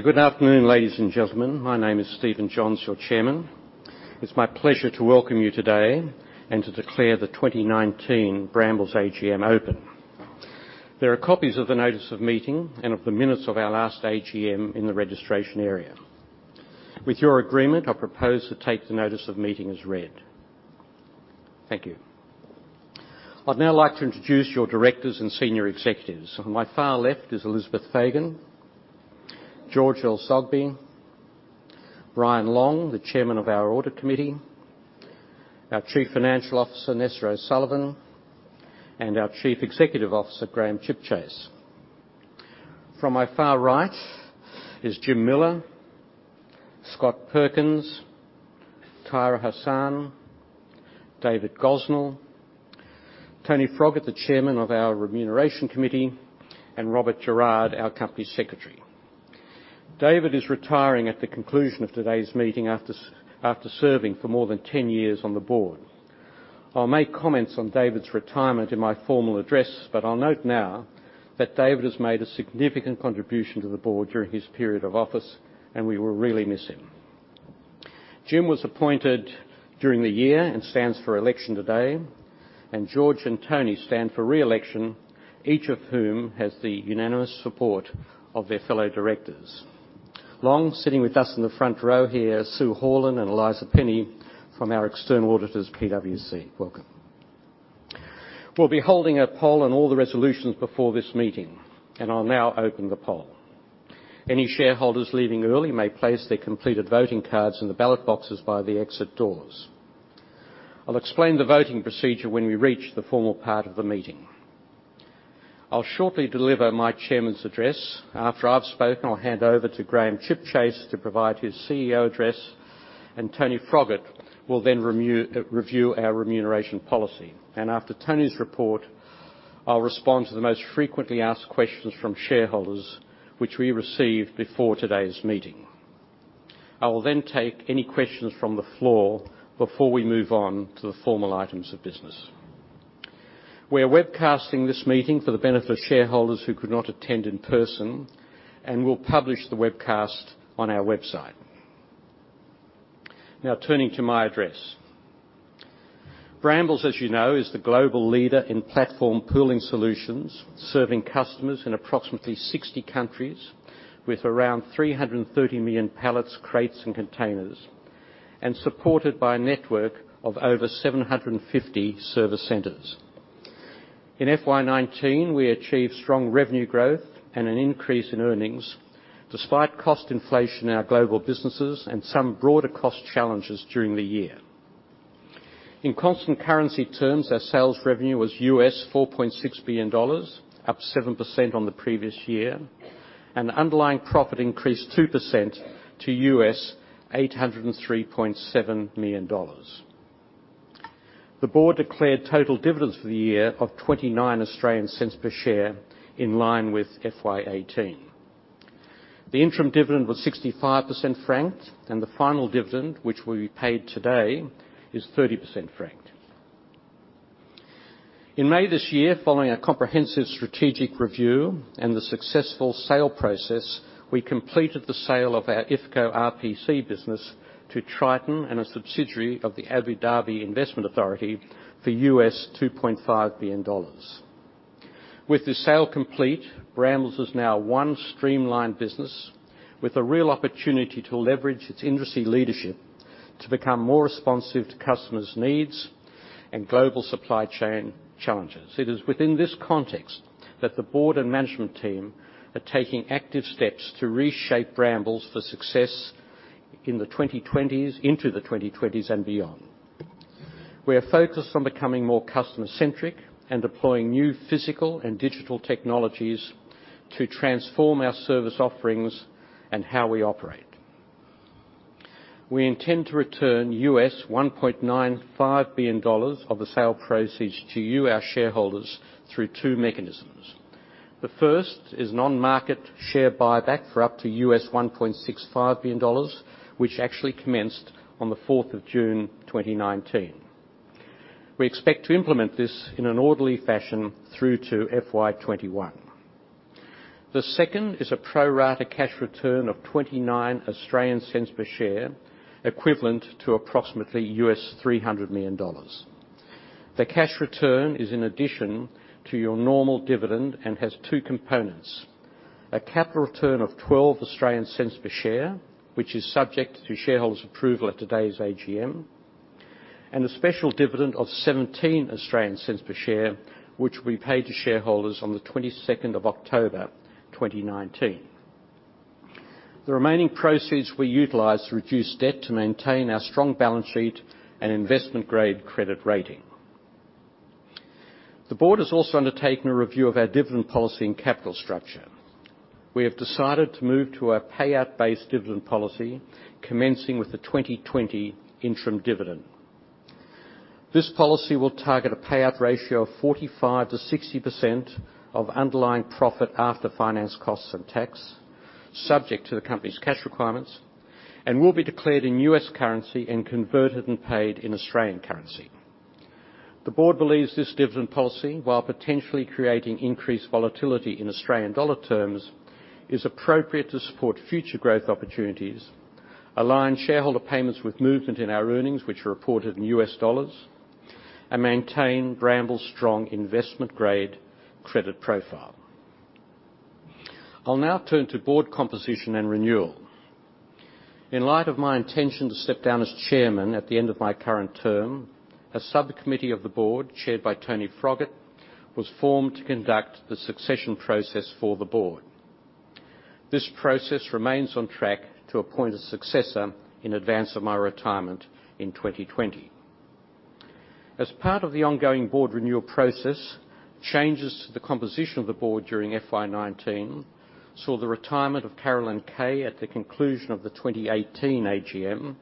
Good afternoon, ladies and gentlemen. My name is Stephen Johns, your Chairman. It's my pleasure to welcome you today and to declare the 2019 Brambles AGM open. There are copies of the notice of meeting and of the minutes of our last AGM in the registration area. With your agreement, I propose to take the notice of meeting as read. Thank you. I'd now like to introduce your Directors and Senior Executives. On my far left is Elizabeth Fagan, George El-Zoghbi, Brian Long, the Chairman of our Audit Committee, our Chief Financial Officer, Nessa O'Sullivan, and our Chief Executive Officer, Graham Chipchase. From my far right is Jim Miller, Scott Perkins, Tahira Hassan, David Gosnell, Tony Froggatt, the Chairman of our Remuneration Committee, and Robert Gerrard, our Company Secretary. David is retiring at the conclusion of today's meeting after serving for more than 10 years on the board. I'll make comments on David's retirement in my formal address, but I'll note now that David has made a significant contribution to the board during his period of office, and we will really miss him. Jim was appointed during the year and stands for election today. George and Tony stand for re-election, each of whom has the unanimous support of their fellow directors. Long sitting with us in the front row here, Sue Horlin and Eliza Penny from our external auditors, PwC. Welcome. We'll be holding a poll on all the resolutions before this meeting, and I'll now open the poll. Any shareholders leaving early may place their completed voting cards in the ballot boxes by the exit doors. I'll explain the voting procedure when we reach the formal part of the meeting. I'll shortly deliver my chairman's address. After I've spoken, I'll hand over to Graham Chipchase to provide his CEO address. Tony Froggatt will then review our remuneration policy. After Tony's report, I'll respond to the most frequently asked questions from shareholders, which we received before today's meeting. I will then take any questions from the floor before we move on to the formal items of business. We are webcasting this meeting for the benefit of shareholders who could not attend in person, and we'll publish the webcast on our website. Turning to my address. Brambles, as you know, is the global leader in platform pooling solutions, serving customers in approximately 60 countries with around 330 million pallets, crates, and containers, and supported by a network of over 750 service centers. In FY 2019, we achieved strong revenue growth and an increase in earnings, despite cost inflation in our global businesses and some broader cost challenges during the year. In constant currency terms, our sales revenue was $4.6 billion, up 7% on the previous year, and underlying profit increased 2% to $803.7 million. The board declared total dividends for the year of 0.29 per share in line with FY 2018. The interim dividend was 65% franked, and the final dividend, which will be paid today, is 30% franked. In May this year, following a comprehensive strategic review and the successful sale process, we completed the sale of our IFCO RPC business to Triton and a subsidiary of the Abu Dhabi Investment Authority for $2.5 billion. With the sale complete, Brambles is now one streamlined business with a real opportunity to leverage its industry leadership to become more responsive to customers' needs and global supply chain challenges. It is within this context that the board and management team are taking active steps to reshape Brambles for success in the 2020s, into the 2020s, and beyond. We are focused on becoming more customer-centric and deploying new physical and digital technologies to transform our service offerings and how we operate. We intend to return US$1.95 billion of the sale proceeds to you, our shareholders, through two mechanisms. The first is non-market share buyback for up to US$1.65 billion, which actually commenced on the fourth of June 2019. We expect to implement this in an orderly fashion through to FY 2021. The second is a pro-rata cash return of 0.29 per share, equivalent to approximately US$300 million. The cash return is in addition to your normal dividend and has two components: a capital return of 0.12 per share, which is subject to shareholders' approval at today's AGM, and a special dividend of 0.17 per share, which will be paid to shareholders on the 22nd of October 2019. The remaining proceeds we utilize to reduce debt to maintain our strong balance sheet and investment-grade credit rating. The board has also undertaken a review of our dividend policy and capital structure. We have decided to move to a payout-based dividend policy commencing with the 2020 interim dividend. This policy will target a payout ratio of 45%-60% of underlying profit after finance costs and tax, subject to the company's cash requirements, and will be declared in USD currency and converted and paid in AUD currency. The board believes this dividend policy, while potentially creating increased volatility in AUD terms, is appropriate to support future growth opportunities, align shareholder payments with movement in our earnings, which are reported in USD, and maintain Brambles' strong investment-grade credit profile. I'll now turn to board composition and renewal. In light of my intention to step down as chairman at the end of my current term, a subcommittee of the board, chaired by Tony Froggatt, was formed to conduct the succession process for the board. This process remains on track to appoint a successor in advance of my retirement in 2020. As part of the ongoing board renewal process, changes to the composition of the board during FY 2019 saw the retirement of Carolyn Kay at the conclusion of the 2018 AGM,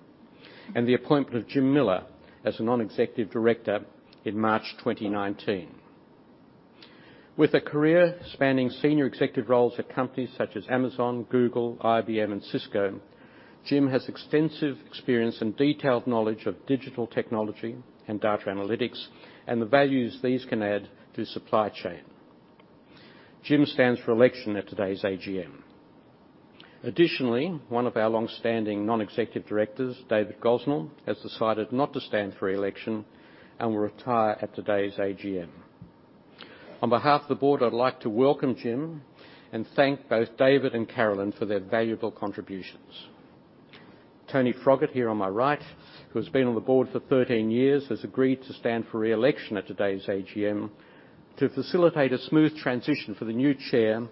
and the appointment of Jim Miller as a non-executive director in March 2019. With a career spanning senior executive roles at companies such as Amazon, Google, IBM, and Cisco, Jim has extensive experience and detailed knowledge of digital technology and data analytics, and the values these can add to supply chain. Jim stands for election at today's AGM. Additionally, one of our longstanding non-executive directors, David Gosnell, has decided not to stand for election and will retire at today's AGM. On behalf of the board, I'd like to welcome Jim and thank both David and Carolyn for their valuable contributions. Tony Froggatt, here on my right, who has been on the board for 13 years, has agreed to stand for re-election at today's AGM to facilitate a smooth transition for the new chair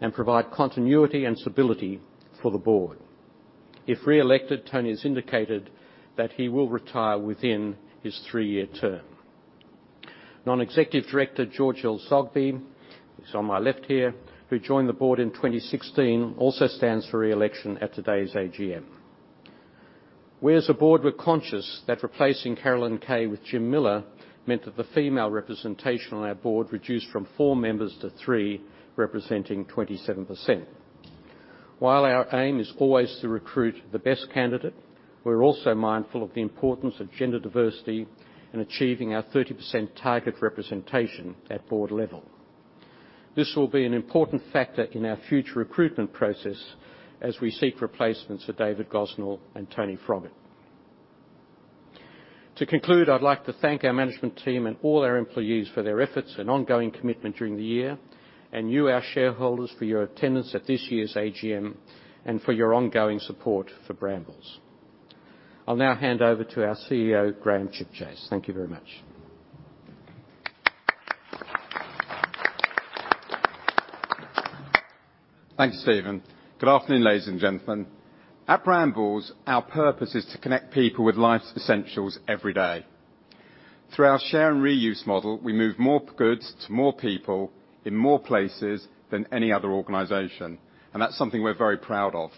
and provide continuity and stability for the board. If re-elected, Tony has indicated that he will retire within his three-year term. Non-executive director, George El-Zoghbi, who's on my left here, who joined the board in 2016, also stands for re-election at today's AGM. We as a board were conscious that replacing Carolyn Kay with Jim Miller meant that the female representation on our board reduced from four members to three, representing 27%. While our aim is always to recruit the best candidate, we're also mindful of the importance of gender diversity in achieving our 30% target representation at board level. This will be an important factor in our future recruitment process as we seek replacements for David Gosnell and Tony Froggatt. To conclude, I'd like to thank our management team and all our employees for their efforts and ongoing commitment during the year, and you, our shareholders, for your attendance at this year's AGM, and for your ongoing support for Brambles. I'll now hand over to our CEO, Graham Chipchase. Thank you very much. Thanks, Stephen. Good afternoon, ladies and gentlemen. At Brambles, our purpose is to connect people with life's essentials every day. Through our share and reuse model, we move more goods to more people in more places than any other organization. That's something we're very proud of,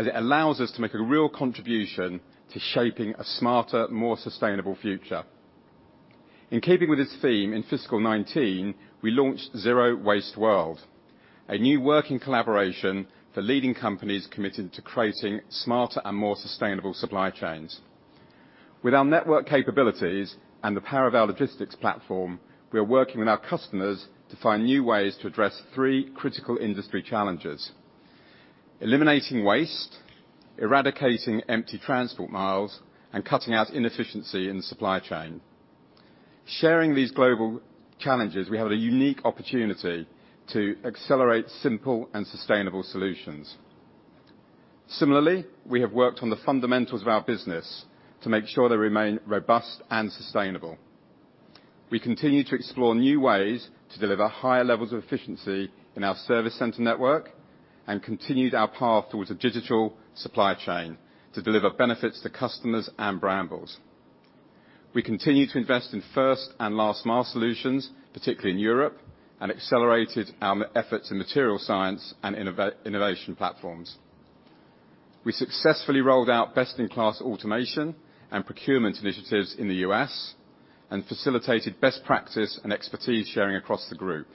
as it allows us to make a real contribution to shaping a smarter, more sustainable future. In keeping with this theme, in fiscal 2019, we launched Zero Waste World, a new working collaboration for leading companies committed to creating smarter and more sustainable supply chains. With our network capabilities and the power of our logistics platform, we are working with our customers to find new ways to address three critical industry challenges. Eliminating waste, eradicating empty transport miles, and cutting out inefficiency in the supply chain. Sharing these global challenges, we have a unique opportunity to accelerate simple and sustainable solutions. Similarly, we have worked on the fundamentals of our business to make sure they remain robust and sustainable. We continue to explore new ways to deliver higher levels of efficiency in our service center network, and continued our path towards a digital supply chain to deliver benefits to customers and Brambles. We continue to invest in first and last mile solutions, particularly in Europe, and accelerated our efforts in material science and innovation platforms. We successfully rolled out best-in-class automation and procurement initiatives in the U.S., and facilitated best practice and expertise sharing across the group.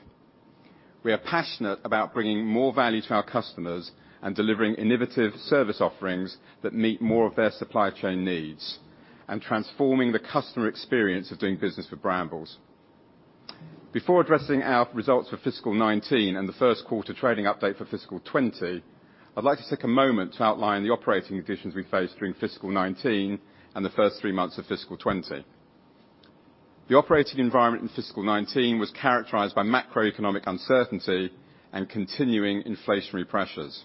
We are passionate about bringing more value to our customers and delivering innovative service offerings that meet more of their supply chain needs, and transforming the customer experience of doing business with Brambles. Before addressing our results for fiscal 2019 and the first quarter trading update for fiscal 2020, I'd like to take a moment to outline the operating conditions we faced during fiscal 2019 and the first three months of fiscal 2020. The operating environment in fiscal 2019 was characterized by macroeconomic uncertainty and continuing inflationary pressures.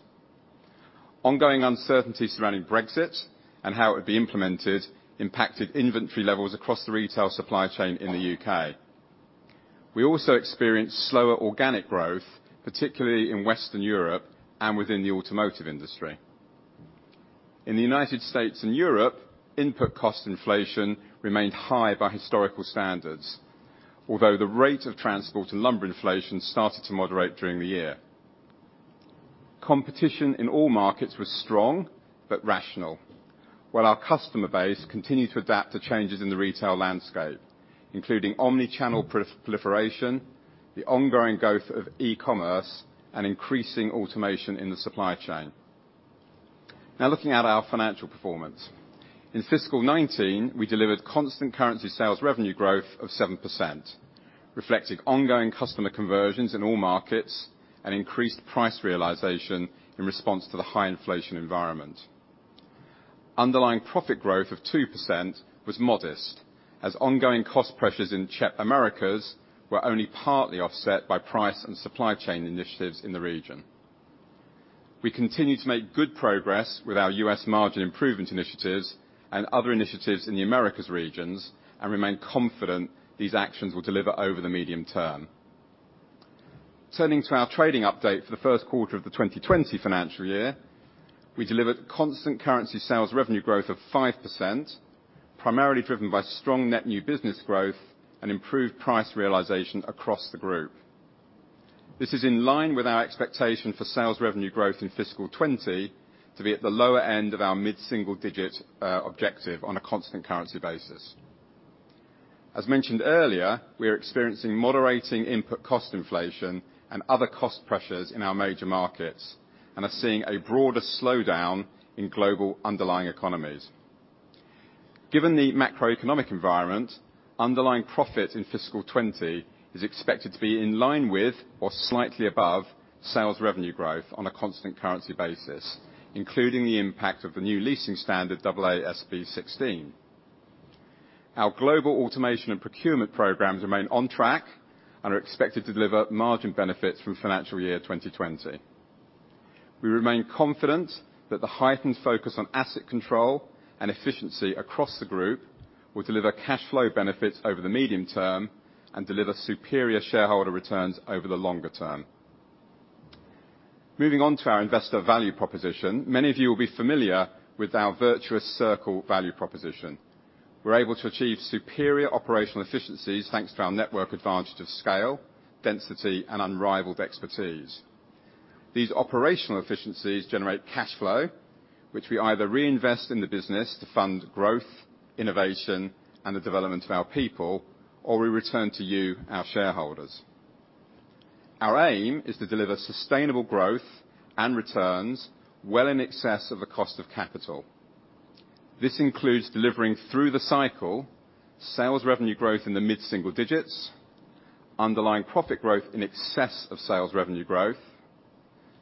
Ongoing uncertainty surrounding Brexit and how it would be implemented impacted inventory levels across the retail supply chain in the U.K. We also experienced slower organic growth, particularly in Western Europe and within the automotive industry. In the U.S. and Europe, input cost inflation remained high by historical standards, although the rate of transport and lumber inflation started to moderate during the year. Competition in all markets was strong but rational, while our customer base continued to adapt to changes in the retail landscape, including omni-channel proliferation, the ongoing growth of e-commerce, and increasing automation in the supply chain. Now looking at our financial performance. In fiscal 2019, we delivered constant currency sales revenue growth of 7%, reflecting ongoing customer conversions in all markets and increased price realization in response to the high inflation environment. Underlying profit growth of 2% was modest as ongoing cost pressures in CHEP Americas were only partly offset by price and supply chain initiatives in the region. We continue to make good progress with our U.S. margin improvement initiatives and other initiatives in the Americas regions, and remain confident these actions will deliver over the medium term. Turning to our trading update for the first quarter of the 2020 financial year, we delivered constant currency sales revenue growth of 5%, primarily driven by strong net new business growth and improved price realization across the group. This is in line with our expectation for sales revenue growth in fiscal 2020 to be at the lower end of our mid-single digit objective on a constant currency basis. As mentioned earlier, we are experiencing moderating input cost inflation and other cost pressures in our major markets and are seeing a broader slowdown in global underlying economies. Given the macroeconomic environment, underlying profit in fiscal 2020 is expected to be in line with or slightly above sales revenue growth on a constant currency basis, including the impact of the new leasing standard AASB 16. Our global automation and procurement programs remain on track and are expected to deliver margin benefits through financial year 2020. We remain confident that the heightened focus on asset control and efficiency across the group will deliver cash flow benefits over the medium term and deliver superior shareholder returns over the longer term. Moving on to our investor value proposition. Many of you will be familiar with our virtuous circle value proposition. We're able to achieve superior operational efficiencies thanks to our network advantage of scale, density, and unrivaled expertise. These operational efficiencies generate cash flow, which we either reinvest in the business to fund growth, innovation, and the development of our people, or we return to you, our shareholders. Our aim is to deliver sustainable growth and returns well in excess of the cost of capital. This includes delivering through the cycle, sales revenue growth in the mid-single digits, underlying profit growth in excess of sales revenue growth,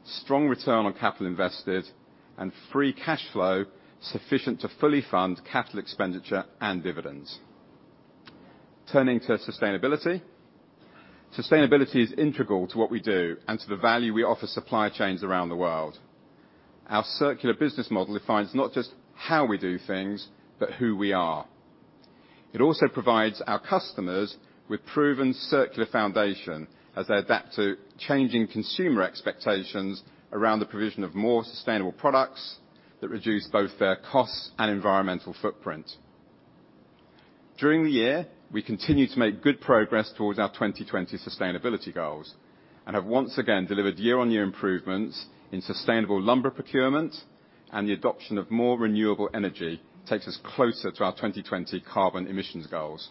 strong return on capital invested, and free cash flow sufficient to fully fund capital expenditure and dividends. Turning to sustainability. Sustainability is integral to what we do and to the value we offer supply chains around the world. Our circular business model defines not just how we do things, but who we are. It also provides our customers with proven circular foundation as they adapt to changing consumer expectations around the provision of more sustainable products that reduce both their costs and environmental footprint. During the year, we continued to make good progress towards our 2020 sustainability goals and have once again delivered year-on-year improvements in sustainable lumber procurement and the adoption of more renewable energy takes us closer to our 2020 carbon emissions goals.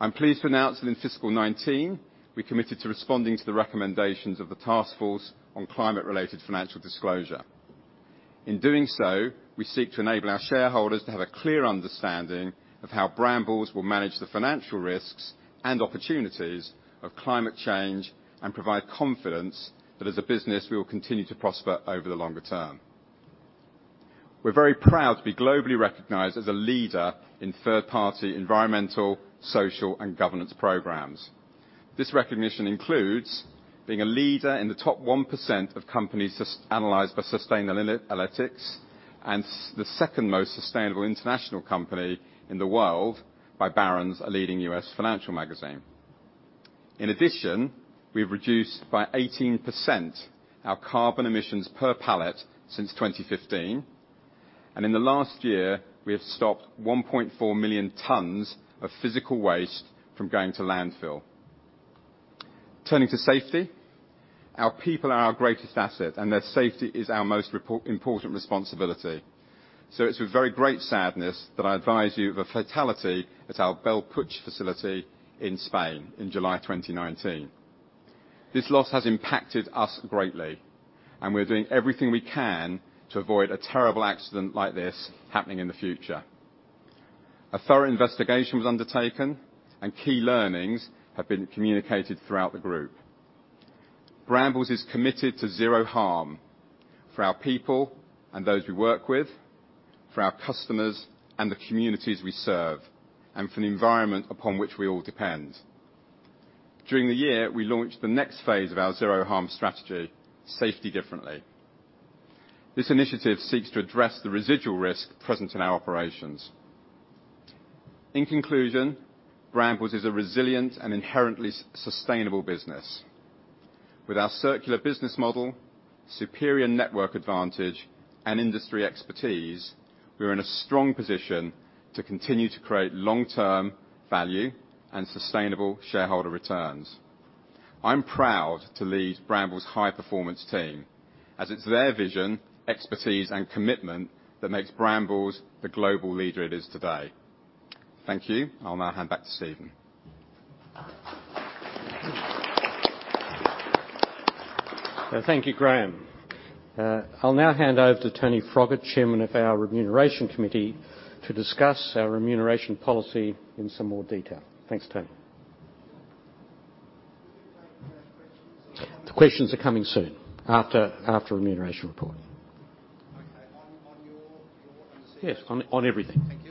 I'm pleased to announce that in fiscal 2019, we committed to responding to the recommendations of the task force on climate-related financial disclosure. In doing so, we seek to enable our shareholders to have a clear understanding of how Brambles will manage the financial risks and opportunities of climate change and provide confidence that as a business, we will continue to prosper over the longer term. We're very proud to be globally recognized as a leader in third-party environmental, social, and governance programs. This recognition includes being a leader in the top 1% of companies analyzed by Sustainalytics, and the second most sustainable international company in the world by Barron's, a leading U.S. financial magazine. In addition, we've reduced by 18% our carbon emissions per pallet since 2015, and in the last year, we have stopped 1.4 million tons of physical waste from going to landfill. Turning to safety. Our people are our greatest asset, and their safety is our most important responsibility. It's with very great sadness that I advise you of a fatality at our Bellpuig facility in Spain in July 2019. This loss has impacted us greatly. We're doing everything we can to avoid a terrible accident like this happening in the future. A thorough investigation was undertaken. Key learnings have been communicated throughout the group. Brambles is committed to zero harm for our people and those we work with, for our customers and the communities we serve, and for the environment upon which we all depend. During the year, we launched the next phase of our Zero Harm strategy, Safety Differently. This initiative seeks to address the residual risk present in our operations. In conclusion, Brambles is a resilient and inherently sustainable business. With our circular business model, superior network advantage, and industry expertise, we are in a strong position to continue to create long-term value and sustainable shareholder returns. I'm proud to lead Brambles' high-performance team, as it's their vision, expertise, and commitment that makes Brambles the global leader it is today. Thank you. I'll now hand back to Stephen. Thank you, Graham. I'll now hand over to Tony Froggatt, Chairman of our Remuneration Committee, to discuss our remuneration policy in some more detail. Thanks, Tony. Will you take questions? The questions are coming soon, after remuneration report. Okay. On your Yes, on everything. Thank you. Yeah.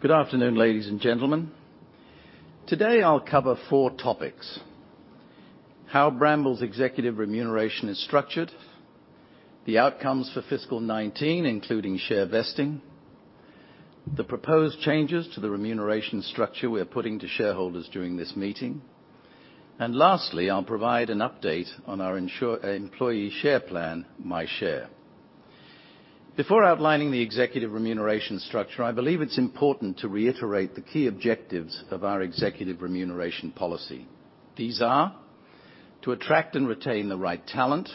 Good afternoon, ladies and gentlemen. Today, I'll cover four topics: how Brambles' executive remuneration is structured, the outcomes for fiscal 2019, including share vesting, the proposed changes to the remuneration structure we are putting to shareholders during this meeting, and lastly, I'll provide an update on our employee share plan, MyShare. Before outlining the executive remuneration structure, I believe it's important to reiterate the key objectives of our executive remuneration policy. These are to attract and retain the right talent,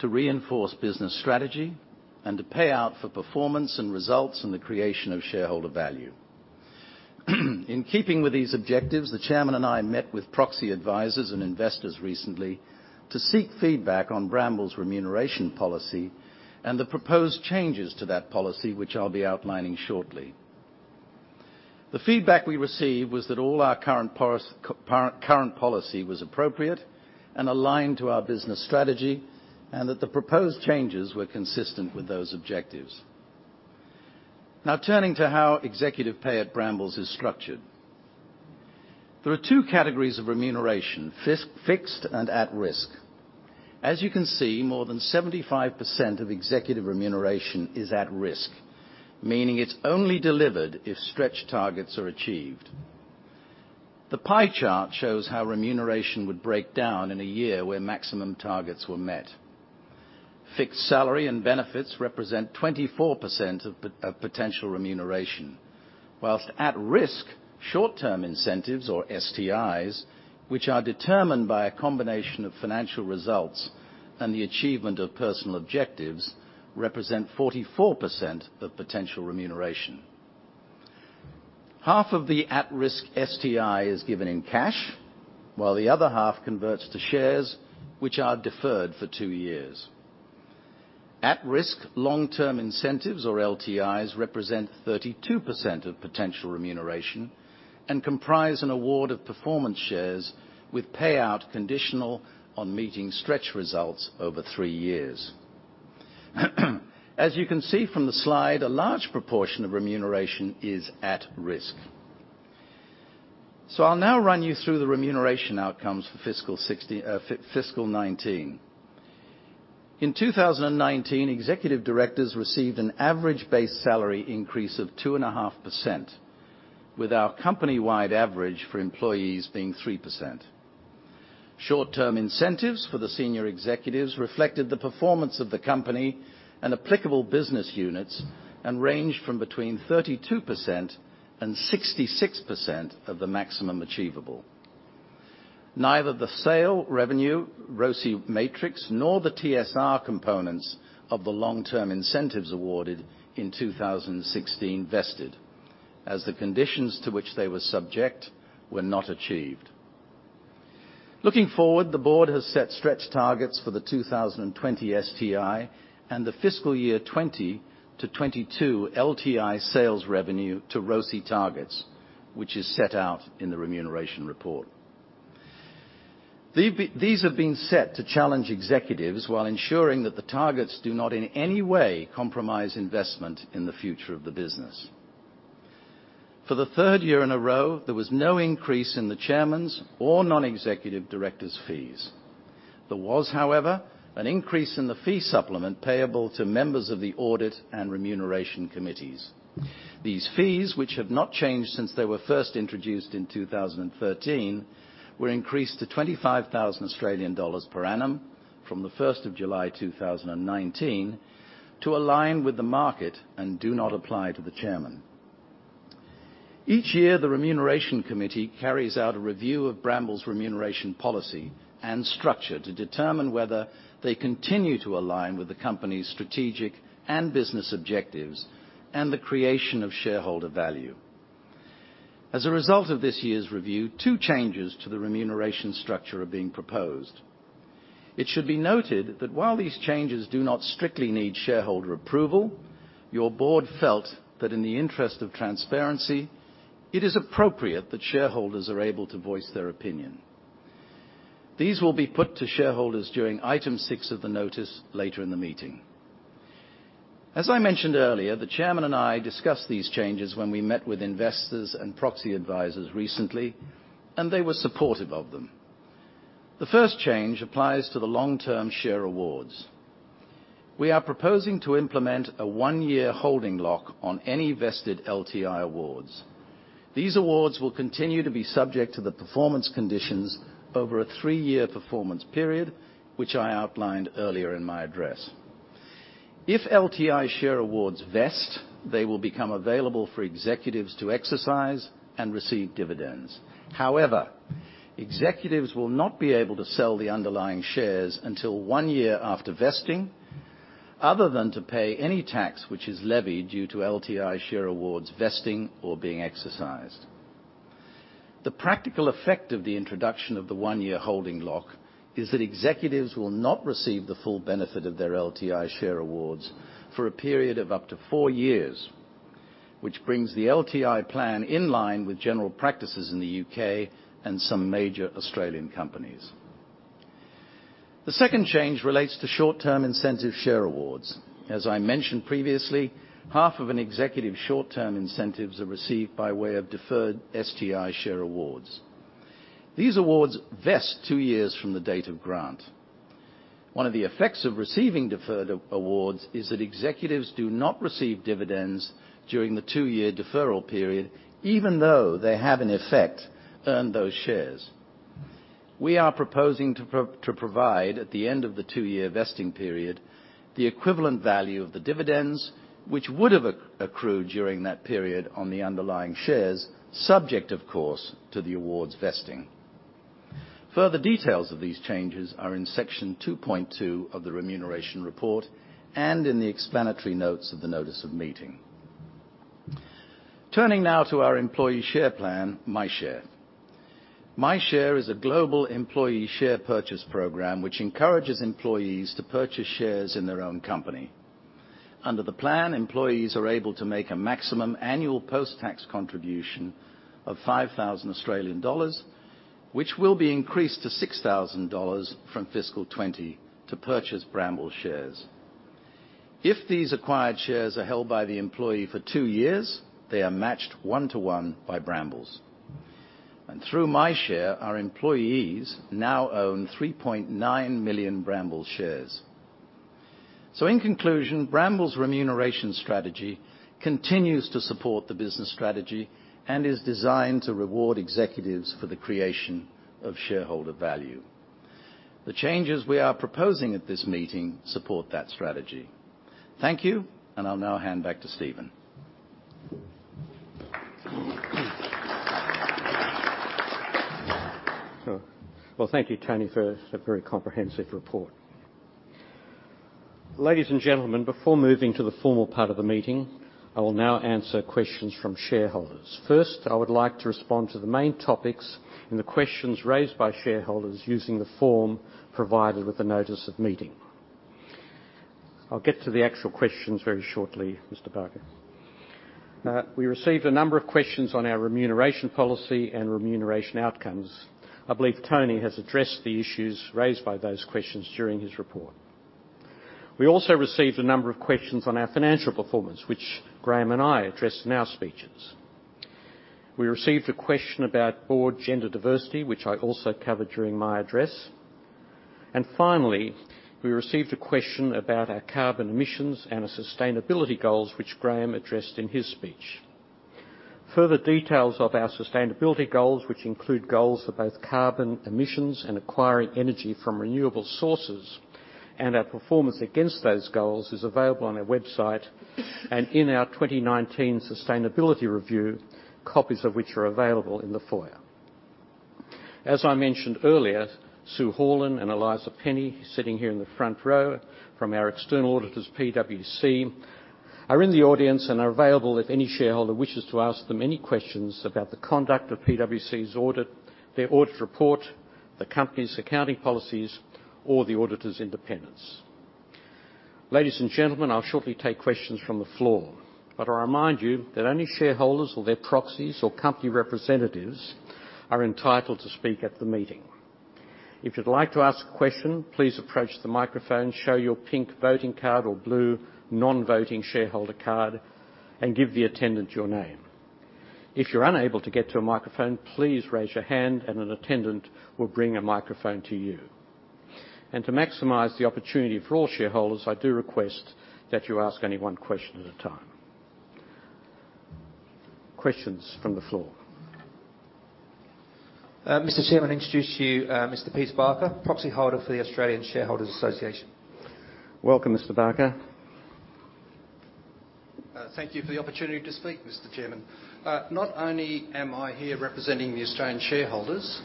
to reinforce business strategy, and to pay out for performance and results in the creation of shareholder value. In keeping with these objectives, the chairman and I met with proxy advisors and investors recently to seek feedback on Brambles' remuneration policy and the proposed changes to that policy, which I'll be outlining shortly. The feedback we received was that all our current policy was appropriate and aligned to our business strategy, and that the proposed changes were consistent with those objectives. Turning to how executive pay at Brambles is structured. There are two categories of remuneration: fixed and at risk. As you can see, more than 75% of executive remuneration is at risk, meaning it is only delivered if stretch targets are achieved. The pie chart shows how remuneration would break down in a year where maximum targets were met. Fixed salary and benefits represent 24% of potential remuneration, whilst at-risk short-term incentives, or STIs, which are determined by a combination of financial results and the achievement of personal objectives, represent 44% of potential remuneration. Half of the at-risk STI is given in cash, while the other half converts to shares, which are deferred for two years. At-risk long-term incentives, or LTIs, represent 32% of potential remuneration and comprise an award of performance shares with payout conditional on meeting stretch results over three years. As you can see from the slide, a large proportion of remuneration is at risk. I'll now run you through the remuneration outcomes for fiscal 2019. In 2019, executive directors received an average base salary increase of 2.5%, with our company-wide average for employees being 3%. Short-term incentives for the senior executives reflected the performance of the company and applicable business units and ranged from between 32% and 66% of the maximum achievable. Neither the sale revenue, ROCE matrix, nor the TSR components of the long-term incentives awarded in 2016 vested as the conditions to which they were subject were not achieved. Looking forward, the board has set stretch targets for the 2020 STI and the fiscal year 2020 to 2022 LTI sales revenue to ROCE targets, which is set out in the Remuneration report. These have been set to challenge executives while ensuring that the targets do not in any way compromise investment in the future of the business. For the third year in a row, there was no increase in the Chairman's or non-executive directors' fees. There was, however, an increase in the fee supplement payable to members of the Audit and Remuneration Committees. These fees, which have not changed since they were first introduced in 2013, were increased to 25,000 Australian dollars per annum from the 1st of July 2019 to align with the market and do not apply to the chairman. Each year, the Remuneration Committee carries out a review of Brambles' remuneration policy and structure to determine whether they continue to align with the company's strategic and business objectives and the creation of shareholder value. As a result of this year's review, two changes to the remuneration structure are being proposed. It should be noted that while these changes do not strictly need shareholder approval, your board felt that in the interest of transparency, it is appropriate that shareholders are able to voice their opinion. These will be put to shareholders during item six of the notice later in the meeting. As I mentioned earlier, the Chairman and I discussed these changes when we met with investors and proxy advisors recently, and they were supportive of them. The first change applies to the long-term share awards. We are proposing to implement a one-year holding lock on any vested LTI awards. These awards will continue to be subject to the performance conditions over a three-year performance period, which I outlined earlier in my address. If LTI share awards vest, they will become available for executives to exercise and receive dividends. Executives will not be able to sell the underlying shares until one year after vesting, other than to pay any tax which is levied due to LTI share awards vesting or being exercised. The practical effect of the introduction of the one-year holding lock is that executives will not receive the full benefit of their LTI share awards for a period of up to four years, which brings the LTI plan in line with general practices in the U.K. and some major Australian companies. The second change relates to short-term incentive share awards. As I mentioned previously, half of an executive short-term incentives are received by way of deferred STI share awards. These awards vest two years from the date of grant. One of the effects of receiving deferred awards is that executives do not receive dividends during the two-year deferral period, even though they have in effect earned those shares. We are proposing to provide, at the end of the two-year vesting period, the equivalent value of the dividends which would have accrued during that period on the underlying shares, subject of course to the awards vesting. Further details of these changes are in section 2.2 of the Remuneration Report and in the explanatory notes of the notice of meeting. Turning now to our employee share plan, MyShare. MyShare is a global employee share purchase program which encourages employees to purchase shares in their own company. Under the plan, employees are able to make a maximum annual post-tax contribution of 5,000 Australian dollars, which will be increased to 6,000 dollars from FY 2020 to purchase Brambles shares. If these acquired shares are held by the employee for two years, they are matched one to one by Brambles. Through MyShare, our employees now own 3.9 million Brambles shares. In conclusion, Brambles' remuneration strategy continues to support the business strategy and is designed to reward executives for the creation of shareholder value. The changes we are proposing at this meeting support that strategy. Thank you. I'll now hand back to Stephen. Thank you, Tony, for a very comprehensive report. Ladies and gentlemen, before moving to the formal part of the meeting, I will now answer questions from shareholders. First, I would like to respond to the main topics in the questions raised by shareholders using the form provided with the notice of meeting. I'll get to the actual questions very shortly, Mr. Barker. We received a number of questions on our remuneration policy and remuneration outcomes. I believe Tony has addressed the issues raised by those questions during his report. We also received a number of questions on our financial performance, which Graham and I addressed in our speeches. We received a question about board gender diversity, which I also covered during my address. Finally, we received a question about our carbon emissions and our sustainability goals, which Graham addressed in his speech. Further details of our sustainability goals, which include goals for both carbon emissions and acquiring energy from renewable sources, and our performance against those goals, is available on our website and in our 2019 sustainability review, copies of which are available in the foyer. As I mentioned earlier, Sue Horlin and Eliza Penny, sitting here in the front row, from our external auditors, PwC, are in the audience and are available if any shareholder wishes to ask them any questions about the conduct of PwC's audit, their audit report, the company's accounting policies, or the auditor's independence. Ladies and gentlemen, I'll shortly take questions from the floor, but I remind you that only shareholders or their proxies or company representatives are entitled to speak at the meeting. If you'd like to ask a question, please approach the microphone, show your pink voting card or blue non-voting shareholder card, and give the attendant your name. If you're unable to get to a microphone, please raise your hand and an attendant will bring a microphone to you. To maximize the opportunity for all shareholders, I do request that you ask only one question at a time. Questions from the floor. Mr. Chairman, introduce to you Mr. Peter Barker, proxy holder for the Australian Shareholders' Association. Welcome, Mr. Barker. Thank you for the opportunity to speak, Mr. Chairman. Not only am I here representing the Australian Shareholders,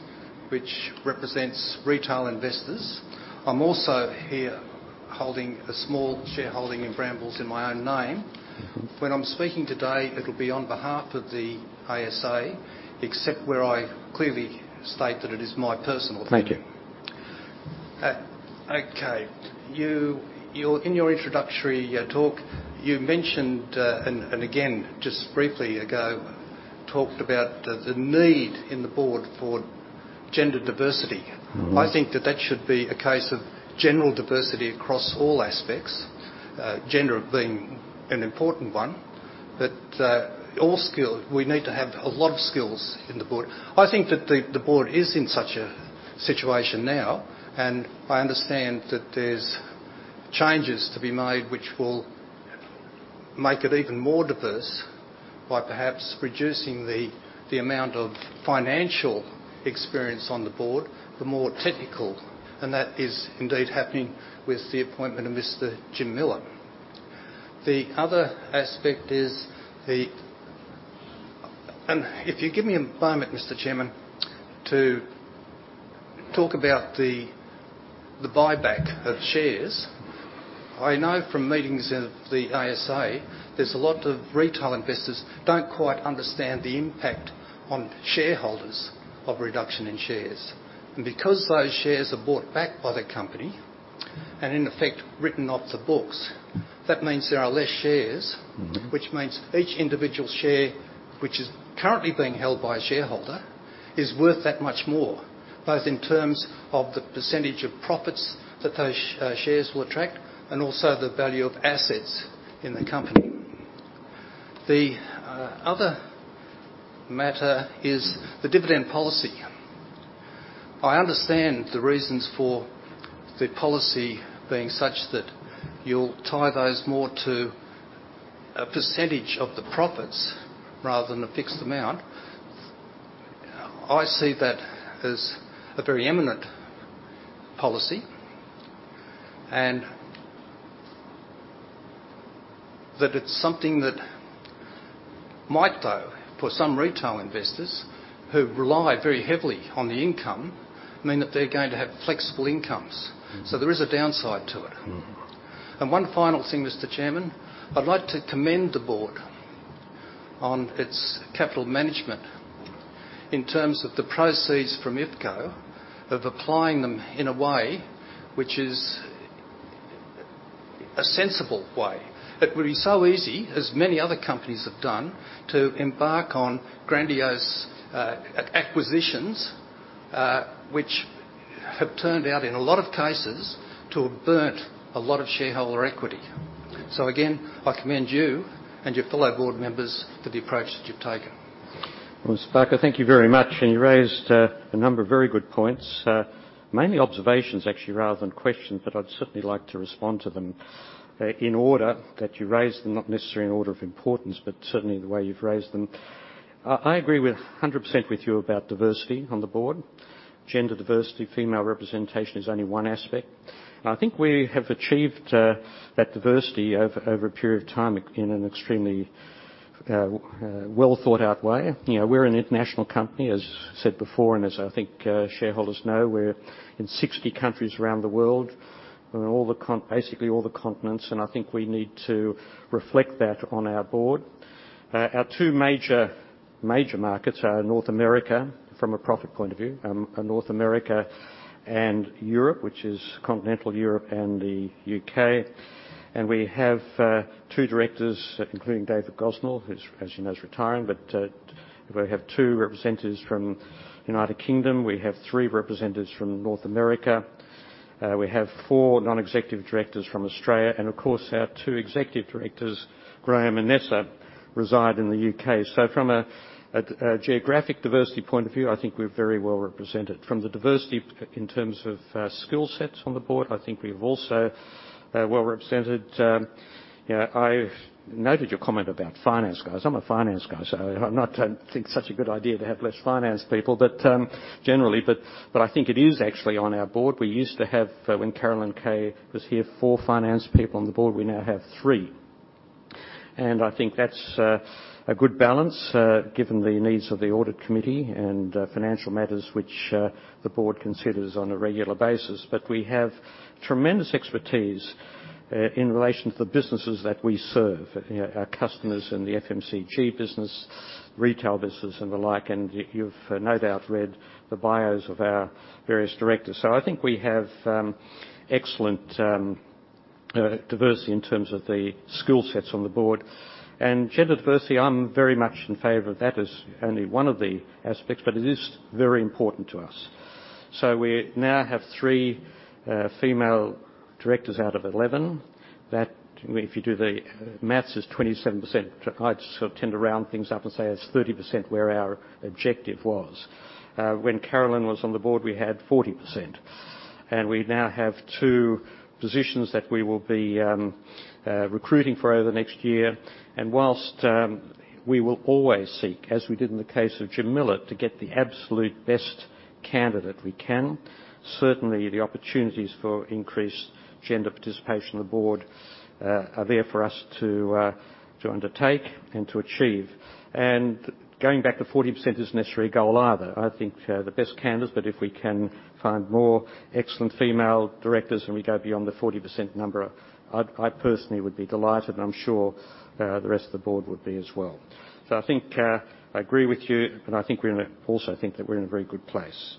which represents retail investors, I'm also here holding a small shareholding in Brambles in my own name. When I'm speaking today, it'll be on behalf of the ASA, except where I clearly state that it is my personal view. Thank you. Okay. In your introductory talk, you mentioned, and again, just briefly ago, talked about the need in the board for gender diversity. I think that that should be a case of general diversity across all aspects, gender being an important one. We need to have a lot of skills in the board. I think that the board is in such a situation now, and I understand that there's changes to be made which will make it even more diverse by perhaps reducing the amount of financial experience on the Board for more technical, and that is indeed happening with the appointment of Mr. Jim Miller. The other aspect is. If you give me a moment, Mr. Chairman, to talk about the buyback of shares. I know from meetings of the ASA, there's a lot of retail investors don't quite understand the impact on shareholders of reduction in shares. Because those shares are bought back by the company, and in effect, written off the books, that means there are less shares. Which means each individual share, which is currently being held by a shareholder, is worth that much more, both in terms of the percentage of profits that those shares will attract and also the value of assets in the company. The other matter is the dividend policy. I understand the reasons for the policy being such that you'll tie those more to a percentage of the profits rather than a fixed amount. I see that as a very eminent policy, and that it's something that might though, for some retail investors who rely very heavily on the income, mean that they're going to have flexible incomes. So there is a downside to it. One final thing, Mr. Chairman. I'd like to commend the Board on its capital management in terms of the proceeds from IFCO, of applying them in a way which is a sensible way. It would be so easy, as many other companies have done, to embark on grandiose acquisitions, which have turned out in a lot of cases to have burnt a lot of shareholder equity. So again, I commend you and your fellow Board members for the approach that you've taken. Well, Mr. Barker, thank you very much. You raised a number of very good points. Mainly observations, actually, rather than questions, but I'd certainly like to respond to them in order that you raised them, not necessarily in order of importance, but certainly the way you've raised them. I agree 100% with you about diversity on the Board. Gender diversity, female representation is only one aspect. I think we have achieved that diversity over a period of time in an extremely well-thought-out way. We're an international company, as said before, and as I think shareholders know, we're in 60 countries around the world. We're in basically all the continents, and I think we need to reflect that on our Board. Our two major markets are North America, from a profit point of view, North America and Europe, which is continental Europe and the U.K. We have two directors, including David Gosnell, who's, as you know, is retiring, but we have two representatives from the U.K. We have three representatives from North America. We have four non-executive directors from Australia. Of course, our two executive directors, Graham and Nessa, reside in the U.K. From a geographic diversity point of view, I think we're very well represented. From the diversity in terms of skill sets on the board, I think we're also well represented. I've noted your comment about finance guys. I'm a finance guy, so I don't think it's such a good idea to have less finance people, generally, but I think it is actually on our board. We used to have, when Carolyn Kay was here, four finance people on the Board. We now have three. I think that's a good balance, given the needs of the audit committee and financial matters which the Board considers on a regular basis. We have tremendous expertise in relation to the businesses that we serve. Our customers in the FMCG business, retail business, and the like, and you've no doubt read the bios of our various directors. I think we have excellent diversity in terms of the skill sets on the board. Gender diversity, I'm very much in favor of that as only one of the aspects, but it is very important to us. We now have three female directors out of 11. That, if you do the math, is 27%, which I tend to round things up and say it's 30%, where our objective was. When Carolyn was on the board, we had 40%. We now have two positions that we will be recruiting for over the next year. Whilst we will always seek, as we did in the case of Jim Miller, to get the absolute best candidate we can. Certainly, the opportunities for increased gender participation on the board are there for us to undertake and to achieve. Going back to 40% isn't necessarily a goal either. I think the best candidates, but if we can find more excellent female directors and we go beyond the 40% number, I personally would be delighted, and I'm sure the rest of the board would be as well. I think I agree with you, and I think we also think that we're in a very good place.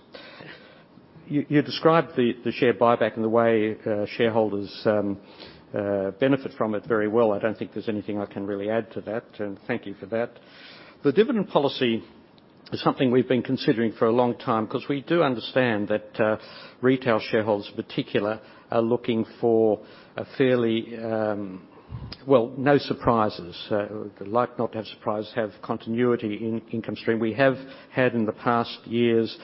You described the share buyback and the way shareholders benefit from it very well. I don't think there's anything I can really add to that. Thank you for that. The dividend policy is something we've been considering for a long time because we do understand that retail shareholders, in particular, are looking for no surprises. They like not to have surprises, have continuity in income stream. We have had in the past years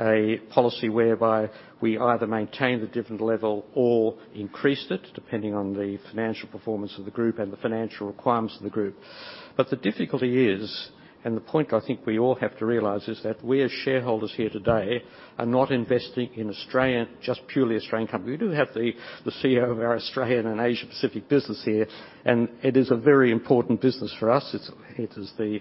a policy whereby we either maintain the dividend level or increase it, depending on the financial performance of the group and the financial requirements of the group. The difficulty is, and the point I think we all have to realize is, that we as shareholders here today are not investing in just purely Australian company. We do have the CEO of our Australian and Asia Pacific business here, and it is a very important business for us. It is the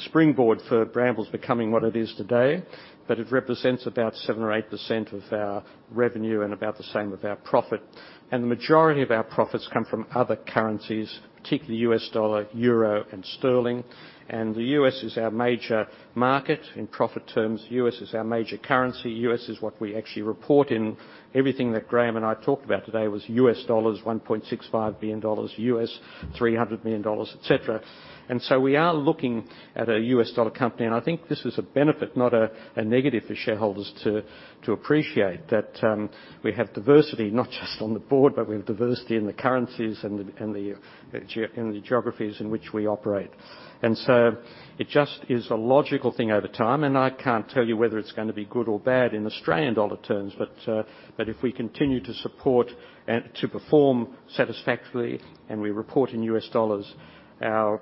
springboard for Brambles becoming what it is today, but it represents about 7% or 8% of our revenue and about the same of our profit. The majority of our profits come from other currencies, particularly U.S. dollar, euro, and sterling. The U.S. is our major market. In profit terms, the U.S. is our major currency. The U.S. is what we actually report in. Everything that Graham and I talked about today was U.S. dollars, $1.65 billion, U.S. $300 million, et cetera. We are looking at a U.S. dollar company, and I think this is a benefit, not a negative for shareholders to appreciate that we have diversity, not just on the Board, but we have diversity in the currencies and in the geographies in which we operate. It just is a logical thing over time, and I can't tell you whether it's going to be good or bad in Australian dollar terms. If we continue to support and to perform satisfactorily, and we report in U.S. dollars, our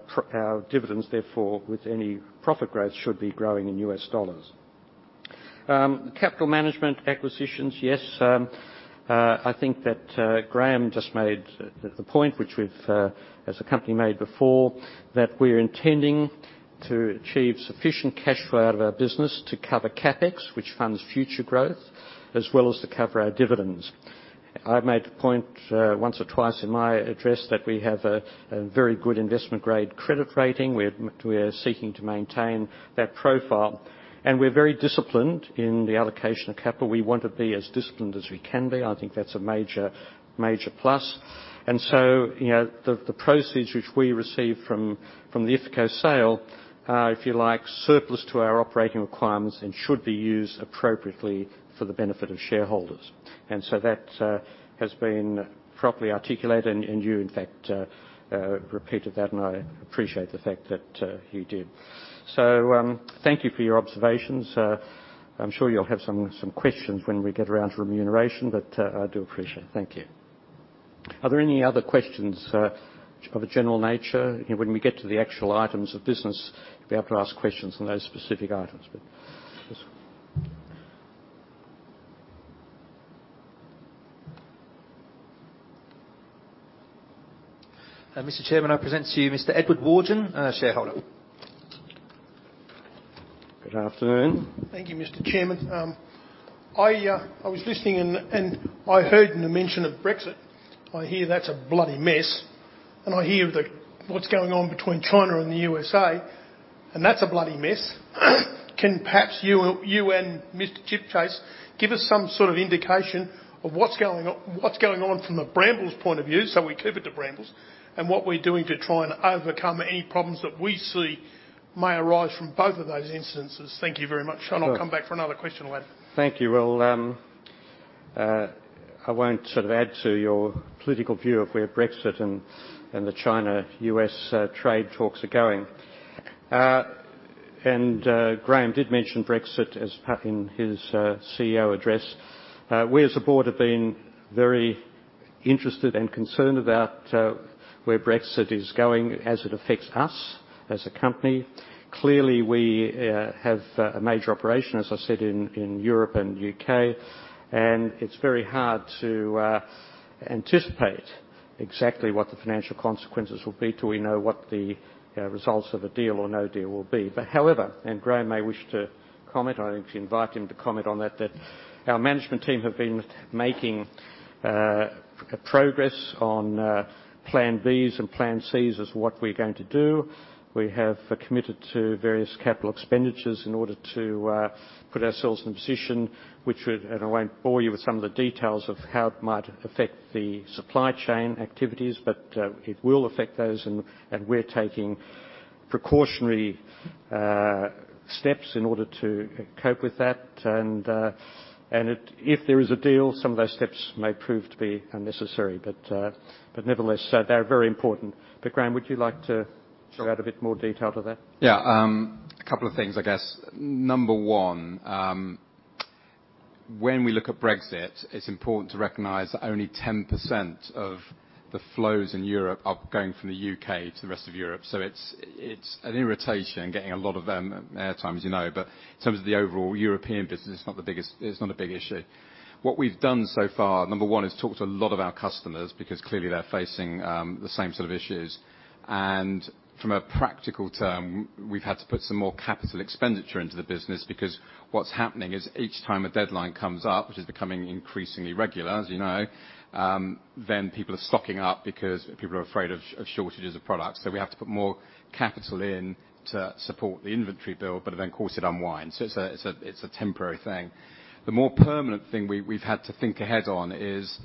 dividends therefore with any profit growth, should be growing in U.S. dollars. Capital management acquisitions, yes. I think that Graham just made the point, which we've as a company made before, that we're intending to achieve sufficient cash flow out of our business to cover CapEx, which funds future growth, as well as to cover our dividends. I've made the point once or twice in my address that we have a very good investment-grade credit rating. We're seeking to maintain that profile, and we're very disciplined in the allocation of capital. We want to be as disciplined as we can be. I think that's a major plus. The proceeds which we receive from the IFCO sale are, if you like, surplus to our operating requirements and should be used appropriately for the benefit of shareholders. That has been properly articulated and you in fact repeated that, and I appreciate the fact that you did. Thank you for your observations. I'm sure you'll have some questions when we get around to remuneration, but I do appreciate it. Thank you. Are there any other questions of a general nature? When we get to the actual items of business, you'll be able to ask questions on those specific items. Yes. Mr. Chairman, I present to you Mr. Edward Warden, a shareholder. Good afternoon. Thank you, Mr. Chairman. I was listening and I heard the mention of Brexit. I hear that's a bloody mess, and I hear what's going on between China and the USA, and that's a bloody mess. Can perhaps you and Mr. Chipchase give us some sort of indication of what's going on from a Brambles point of view, so we keep it to Brambles, and what we're doing to try and overcome any problems that we see may arise from both of those instances. Thank you very much. I'll come back for another question later. Thank you. Well, I won't sort of add to your political view of where Brexit and the China-U.S. trade talks are going. Graham did mention Brexit in his CEO address. We as a board have been very interested and concerned about where Brexit is going as it affects us as a company. Clearly, we have a major operation, as I said, in Europe and the U.K. It's very hard to anticipate exactly what the financial consequences will be till we know what the results of a deal or no deal will be. However, and Graham may wish to comment, I actually invite him to comment on that our management team have been making progress on plan Bs and plan Cs as to what we're going to do. We have committed to various capital expenditures in order to put ourselves in a position which would, and I won't bore you with some of the details of how it might affect the supply chain activities, but it will affect those and we're taking precautionary steps in order to cope with that. If there is a deal, some of those steps may prove to be unnecessary. Nevertheless, they're very important. Graham, would you like to? Sure add a bit more detail to that? A couple of things I guess. Number one, when we look at Brexit, it's important to recognize that only 10% of the flows in Europe are going from the U.K. to the rest of Europe. It's an irritation getting a lot of airtime, as you know. In terms of the overall European business, it's not a big issue. What we've done so far, number one, is talk to a lot of our customers because clearly they're facing the same sort of issues. From a practical term, we've had to put some more capital expenditure into the business because what's happening is each time a deadline comes up, which is becoming increasingly regular as you know, then people are stocking up because people are afraid of shortages of products. We have to put more capital in to support the inventory build. Of course it unwinds. It's a temporary thing. The more permanent thing we've had to think ahead on is,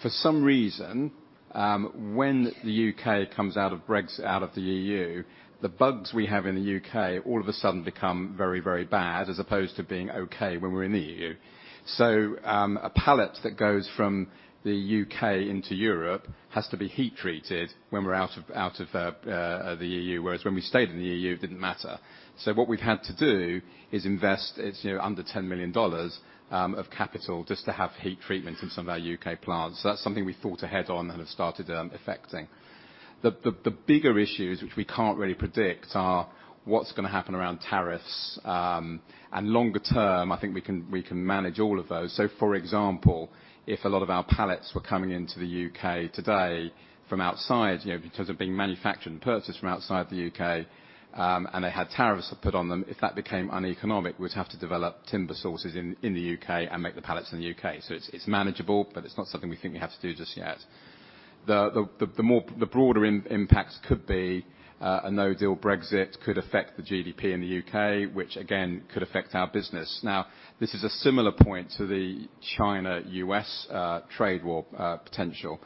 for some reason, when the U.K. comes out of Brexit, out of the EU, the bugs we have in the U.K. all of a sudden become very bad, as opposed to being okay when we're in the EU. A pallet that goes from the U.K. into Europe has to be heat treated when we're out of the EU, whereas when we stayed in the EU, it didn't matter. What we've had to do is invest under 10 million dollars of capital just to have heat treatment in some of our U.K. plants. That's something we thought ahead on and have started effecting. The bigger issues which we can't really predict are, what's going to happen around tariffs? Longer term, I think we can manage all of those. For example, if a lot of our pallets were coming into the U.K. today from outside because they're being manufactured and purchased from outside the U.K., and they had tariffs put on them, if that became uneconomic, we'd have to develop timber sources in the U.K. and make the pallets in the U.K. It's manageable, but it's not something we think we have to do just yet. The broader impacts could be a no-deal Brexit could affect the GDP in the U.K., which again could affect our business. Now, this is a similar point to the China-U.S. trade war potential.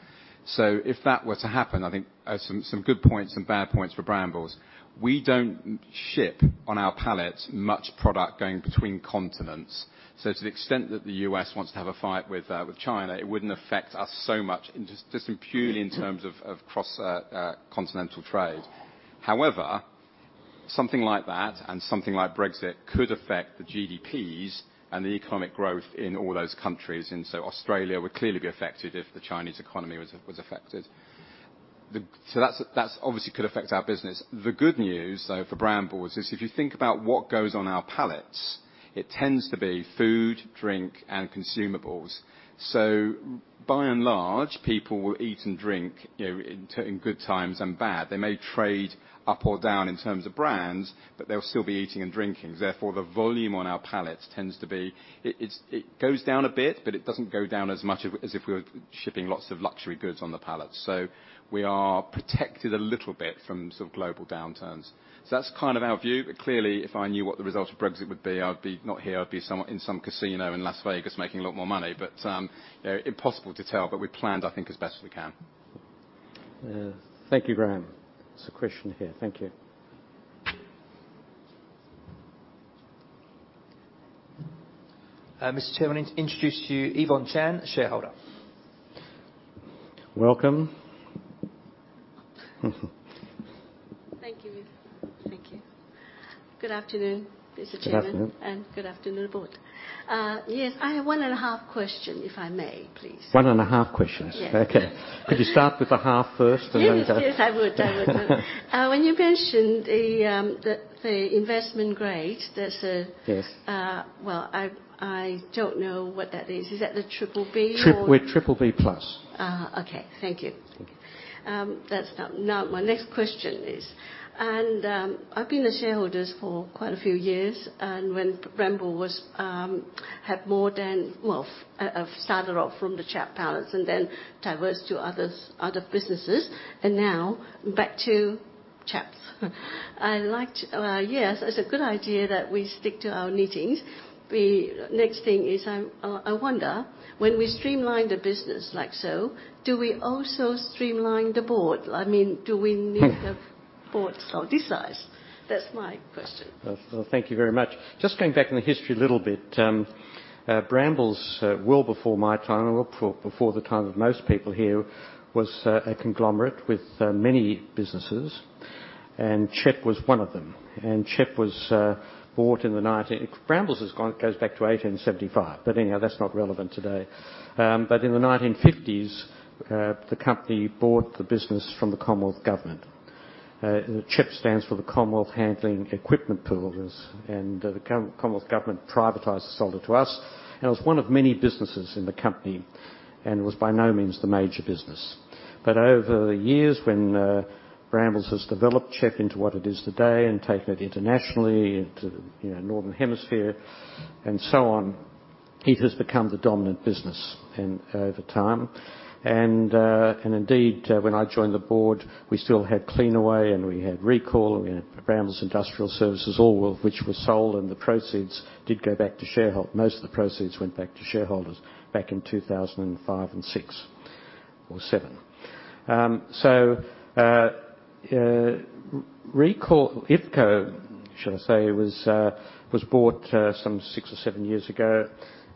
If that were to happen, I think some good points and bad points for Brambles. We don't ship on our pallets much product going between continents. To the extent that the U.S. wants to have a fight with China, it wouldn't affect us so much just purely in terms of cross-continental trade. However, something like that and something like Brexit could affect the GDPs and the economic growth in all those countries. Australia would clearly be affected if the Chinese economy was affected. That obviously could affect our business. The good news, though, for Brambles is if you think about what goes on our pallets, it tends to be food, drink, and consumables. By and large, people will eat and drink in good times and bad. They may trade up or down in terms of brands, but they'll still be eating and drinking. Therefore, the volume on our pallets tends to be, it goes down a bit, but it doesn't go down as much as if we were shipping lots of luxury goods on the pallets. We are protected a little bit from global downturns. That's kind of our view. Clearly, if I knew what the result of Brexit would be, I'd be not here. I'd be in some casino in Las Vegas making a lot more money. Impossible to tell, but we planned, I think, as best we can. Thank you, Graham. There's a question here. Thank you. Mr. Chairman, I introduce to you Yvonne Chan, shareholder. Welcome. Thank you. Good afternoon, Mr. Chairman. Good afternoon. Good afternoon, board. Yes, I have one and a half question, if I may, please. One and a half questions? Yes. Okay. Could you start with the half first and then. Yes, I would. When you mentioned the investment grade, that's. Yes Well, I don't know what that is. Is that the triple B? We're Triple B Plus. Okay. Thank you. Okay. My next question is, and I've been a shareholder for quite a few years, and when Brambles started off from the CHEP pallets and then diverse to other businesses, and now back to CHEP. Yes, it's a good idea that we stick to our meetings. Next thing is, I wonder, when we streamline the business like so, do we also streamline the Board? Do we need the board this size? That's my question. Well, thank you very much. Just going back in the history a little bit. Brambles, well before my time, and well before the time of most people here, was a conglomerate with many businesses, and CHEP was one of them. CHEP was bought in the 19 Brambles goes back to 1875, but anyhow, that's not relevant today. In the 1950s, the company bought the business from the Commonwealth Government. CHEP stands for the Commonwealth Handling Equipment Pool. The Commonwealth Government privatized it, sold it to us, and it was one of many businesses in the company, and was by no means the major business. Over the years, when Brambles has developed CHEP into what it is today and taken it internationally into the Northern Hemisphere and so on, it has become the dominant business over time. Indeed, when I joined the board, we still had Cleanaway and we had Recall and we had Brambles Industrial Services, all of which were sold and the proceeds did go back to shareholder. Most of the proceeds went back to shareholders back in 2005 and 2006 or 2007. Recall, IFCO, shall I say, was bought some six or seven years ago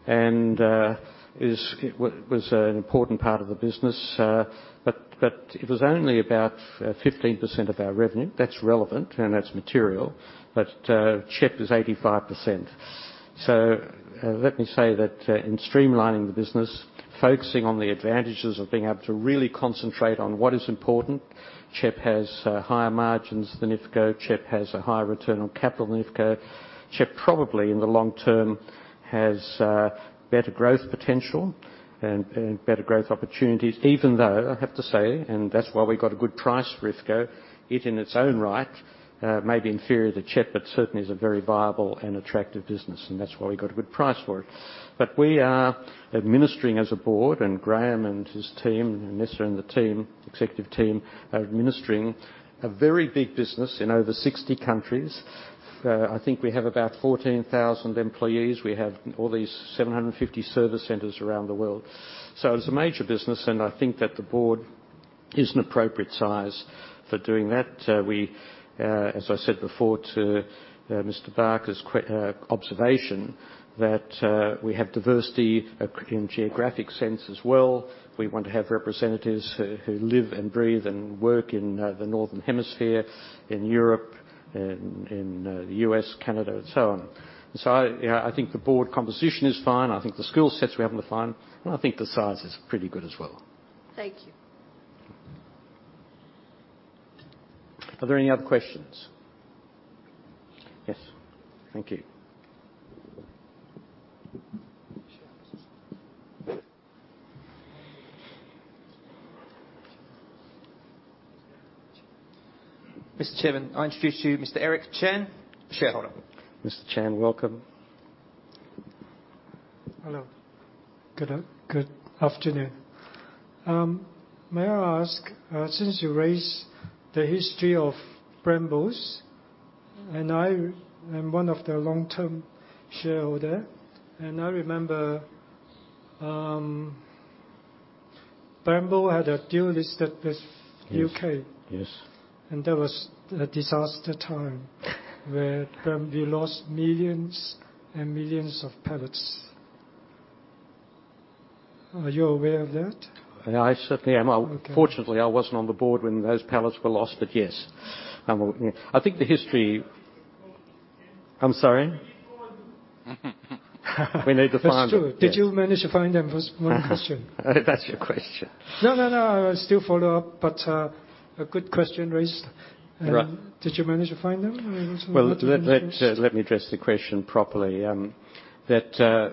and was an important part of the business. It was only about 15% of our revenue, that's relevant and that's material, but CHEP is 85%. Let me say that in streamlining the business, focusing on the advantages of being able to really concentrate on what is important, CHEP has higher margins than IFCO. CHEP has a higher return on capital than IFCO. CHEP probably, in the long term, has better growth potential and better growth opportunities, even though I have to say, and that's why we got a good price for IFCO. It, in its own right, may be inferior to CHEP, but certainly is a very viable and attractive business, and that's why we got a good price for it. We are administering as a Board, and Graham and his team, Nessa and the team, executive team, are administering a very big business in over 60 countries-I think we have about 14,000 employees. We have all these 750 service centers around the world. It's a major business, and I think that the Board is an appropriate size for doing that. As I said before to Mr. Barker's observation, that we have diversity in geographic sense as well. We want to have representatives who live and breathe and work in the Northern Hemisphere, in Europe, in the U.S., Canada, and so on. I think the Board composition is fine. I think the skill sets we have are fine, and I think the size is pretty good as well. Thank you. Are there any other questions? Yes. Thank you. Mr. Chairman, I introduce to you Mr. Eric Chen, shareholder. Mr. Chen, welcome. Hello. Good afternoon. May I ask, since you raised the history of Brambles. I am one of the long-term shareholder. I remember Brambles had a deal listed with U.K. Yes. That was a disaster time where we lost millions and millions of pallets. Are you aware of that? I certainly am. Okay. Fortunately, I wasn't on the Board when those pallets were lost. Yes. I think the history I'm sorry? We need to find them. We need to find them. That's true. Did you manage to find them? First, one question. That's your question. No, I still follow up, but a good question raised. Right. Did you manage to find them? Well, let me address the question properly.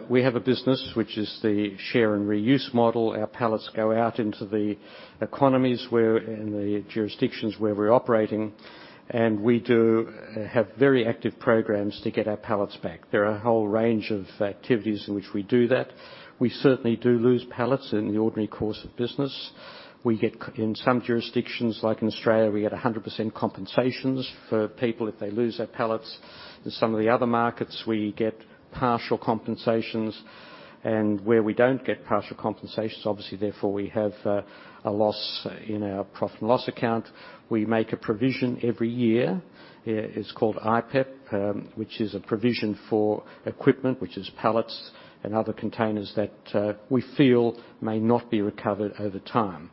We have a business, which is the share and reuse model. Our pallets go out into the economies and the jurisdictions where we're operating, and we do have very active programs to get our pallets back. There are a whole range of activities in which we do that. We certainly do lose pallets in the ordinary course of business. In some jurisdictions, like in Australia, we get 100% compensation for people if they lose their pallets. In some of the other markets, we get partial compensation. Where we don't get partial compensation, obviously therefore, we have a loss in our profit and loss account. We make a provision every year. It's called IPAP, which is a provision for equipment, which is pallets and other containers that we feel may not be recovered over time.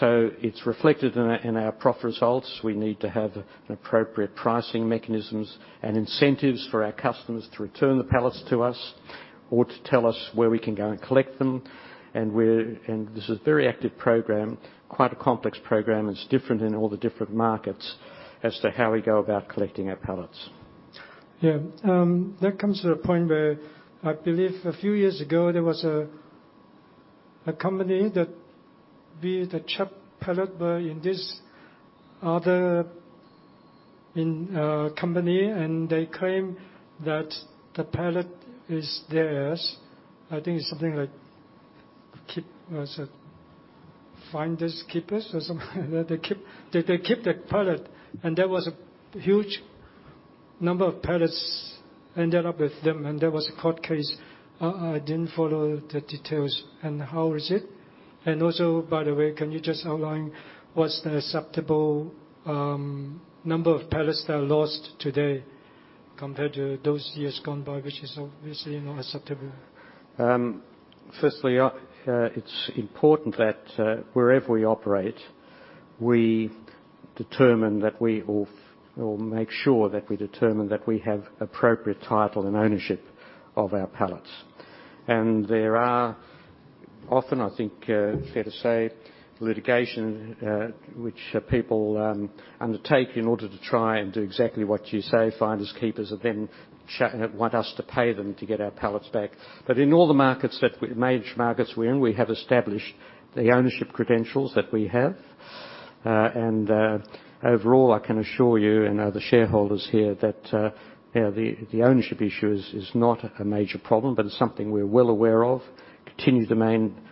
It's reflected in our profit results. We need to have appropriate pricing mechanisms and incentives for our customers to return the pallets to us or to tell us where we can go and collect them. This is a very active program, quite a complex program, and it's different in all the different markets as to how we go about collecting our pallets. Yeah. That comes to the point where I believe a few years ago, there was a company that built a pallet in this other company, and they claim that the pallet is theirs. I think it's something like finders keepers or something like that. They keep the pallet, and there was a huge number of pallets ended up with them, and there was a court case. I didn't follow the details and how was it. Also, by the way, can you just outline what's the acceptable number of pallets that are lost today compared to those years gone by, which is obviously not acceptable? Firstly, it's important that wherever we operate, we make sure that we determine that we have appropriate title and ownership of our pallets. There are often, I think, fair to say, litigation, which people undertake in order to try and do exactly what you say, finders keepers, and then want us to pay them to get our pallets back. In all the major markets we're in, we have established the ownership credentials that we have. Overall, I can assure you and the shareholders here that the ownership issue is not a major problem, but it's something we're well aware of. Continue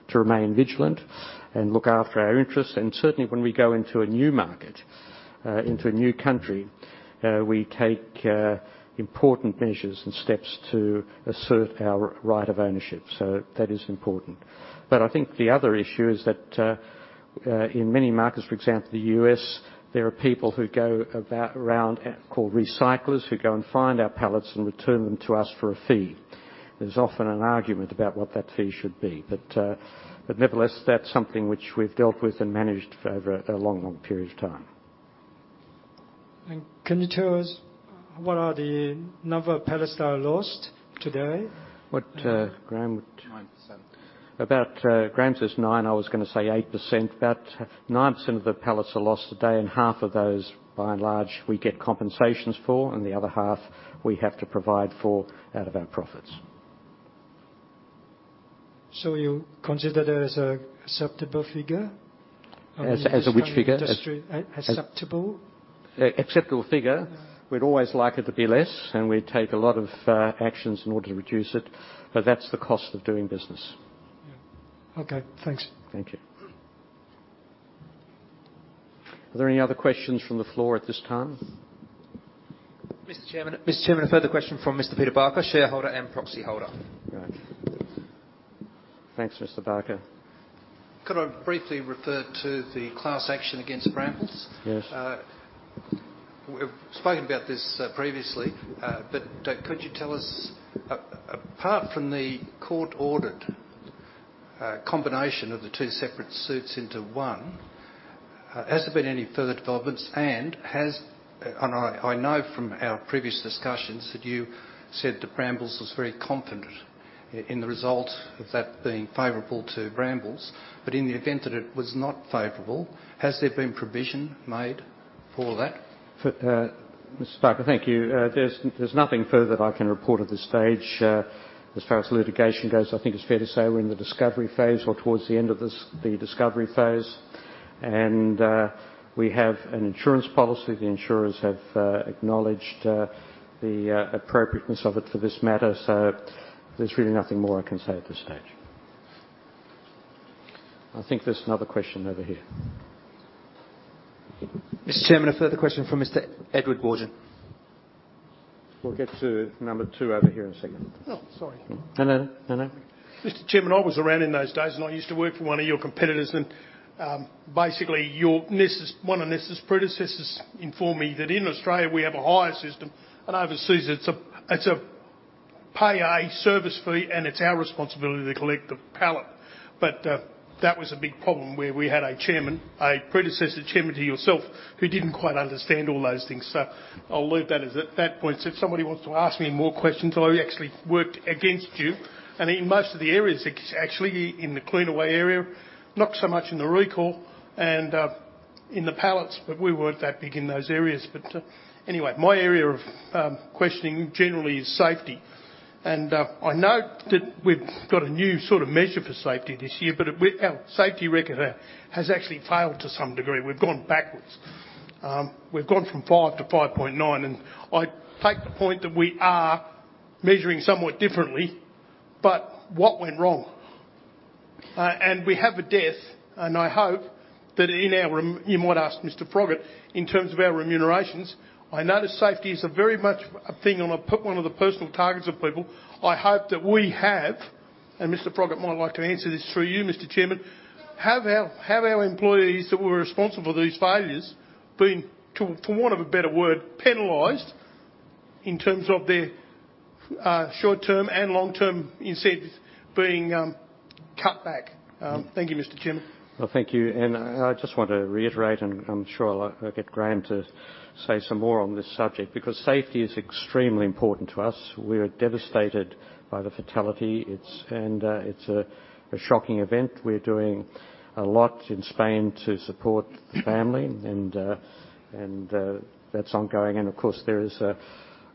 to remain vigilant and look after our interests. Certainly, when we go into a new market, into a new country, we take important measures and steps to assert our right of ownership. That is important. I think the other issue is that in many markets, for example, the U.S., there are people who go around called recyclers who go and find our pallets and return them to us for a fee. There's often an argument about what that fee should be. Nevertheless, that's something which we've dealt with and managed for over a long, long period of time. Can you tell us what are the number of pallets that are lost today? 9%. About, Graham says nine. I was going to say 8%. About 9% of the pallets are lost a day, and half of those, by and large, we get compensations for, and the other half we have to provide for out of our profits. You consider that as a acceptable figure? As a which figure? Acceptable. Acceptable figure. We'd always like it to be less, and we take a lot of actions in order to reduce it. That's the cost of doing business. Yeah. Okay. Thanks. Thank you. Are there any other questions from the floor at this time? Mr. Chairman, a further question from Mr. Peter Barker, shareholder and proxy holder. Right. Thanks, Mr. Barker. Could I briefly refer to the class action against Brambles? Yes. We've spoken about this previously, but could you tell us, apart from the court-ordered combination of the two separate suits into one, has there been any further developments? I know from our previous discussions that you said that Brambles was very confident in the result of that being favorable to Brambles. In the event that it was not favorable, has there been provision made for that? Mr. Barker, thank you. There's nothing further I can report at this stage. As far as litigation goes, I think it's fair to say we're in the discovery phase or towards the end of the discovery phase. We have an insurance policy. The insurers have acknowledged the appropriateness of it for this matter, there's really nothing more I can say at this stage. I think there's another question over here. Mr. Chairman, a further question from Mr. Edward Warden. We'll get to number two over here in a second. Oh, sorry. No, no. No, no. Mr. Chairman, I was around in those days, and I used to work for one of your competitors, and basically, one of Nessa's predecessors informed me that in Australia we have a higher system, and overseas it's a pay a service fee and it's our responsibility to collect the pallet. That was a big problem where we had a chairman, a predecessor chairman to yourself, who didn't quite understand all those things. I'll leave that as at that point. If somebody wants to ask me more questions, I actually worked against you and in most of the areas, actually in the Cleanaway area, not so much in the Recall and in the pallets, but we weren't that big in those areas. Anyway, my area of questioning generally is safety. I note that we've got a new sort of measure for safety this year, but our safety record has actually failed to some degree. We've gone backwards. We've gone from five to 5.9, and I take the point that we are measuring somewhat differently, but what went wrong? We have a death, and I hope that you might ask Mr. Froggatt, in terms of our remunerations, I know that safety is a very much a thing on one of the personal targets of people. I hope that we have, and Mr. Froggatt might like to answer this through you, Mr. Chairman, have our employees that were responsible for these failures been, for want of a better word, penalized in terms of their short-term and long-term incentives being cut back? Thank you, Mr. Chairman. Well, thank you. I just want to reiterate, and I'm sure I'll get Graham to say some more on this subject, because safety is extremely important to us. We're devastated by the fatality. It's a shocking event. We're doing a lot in Spain to support the family, and that's ongoing. Of course, there is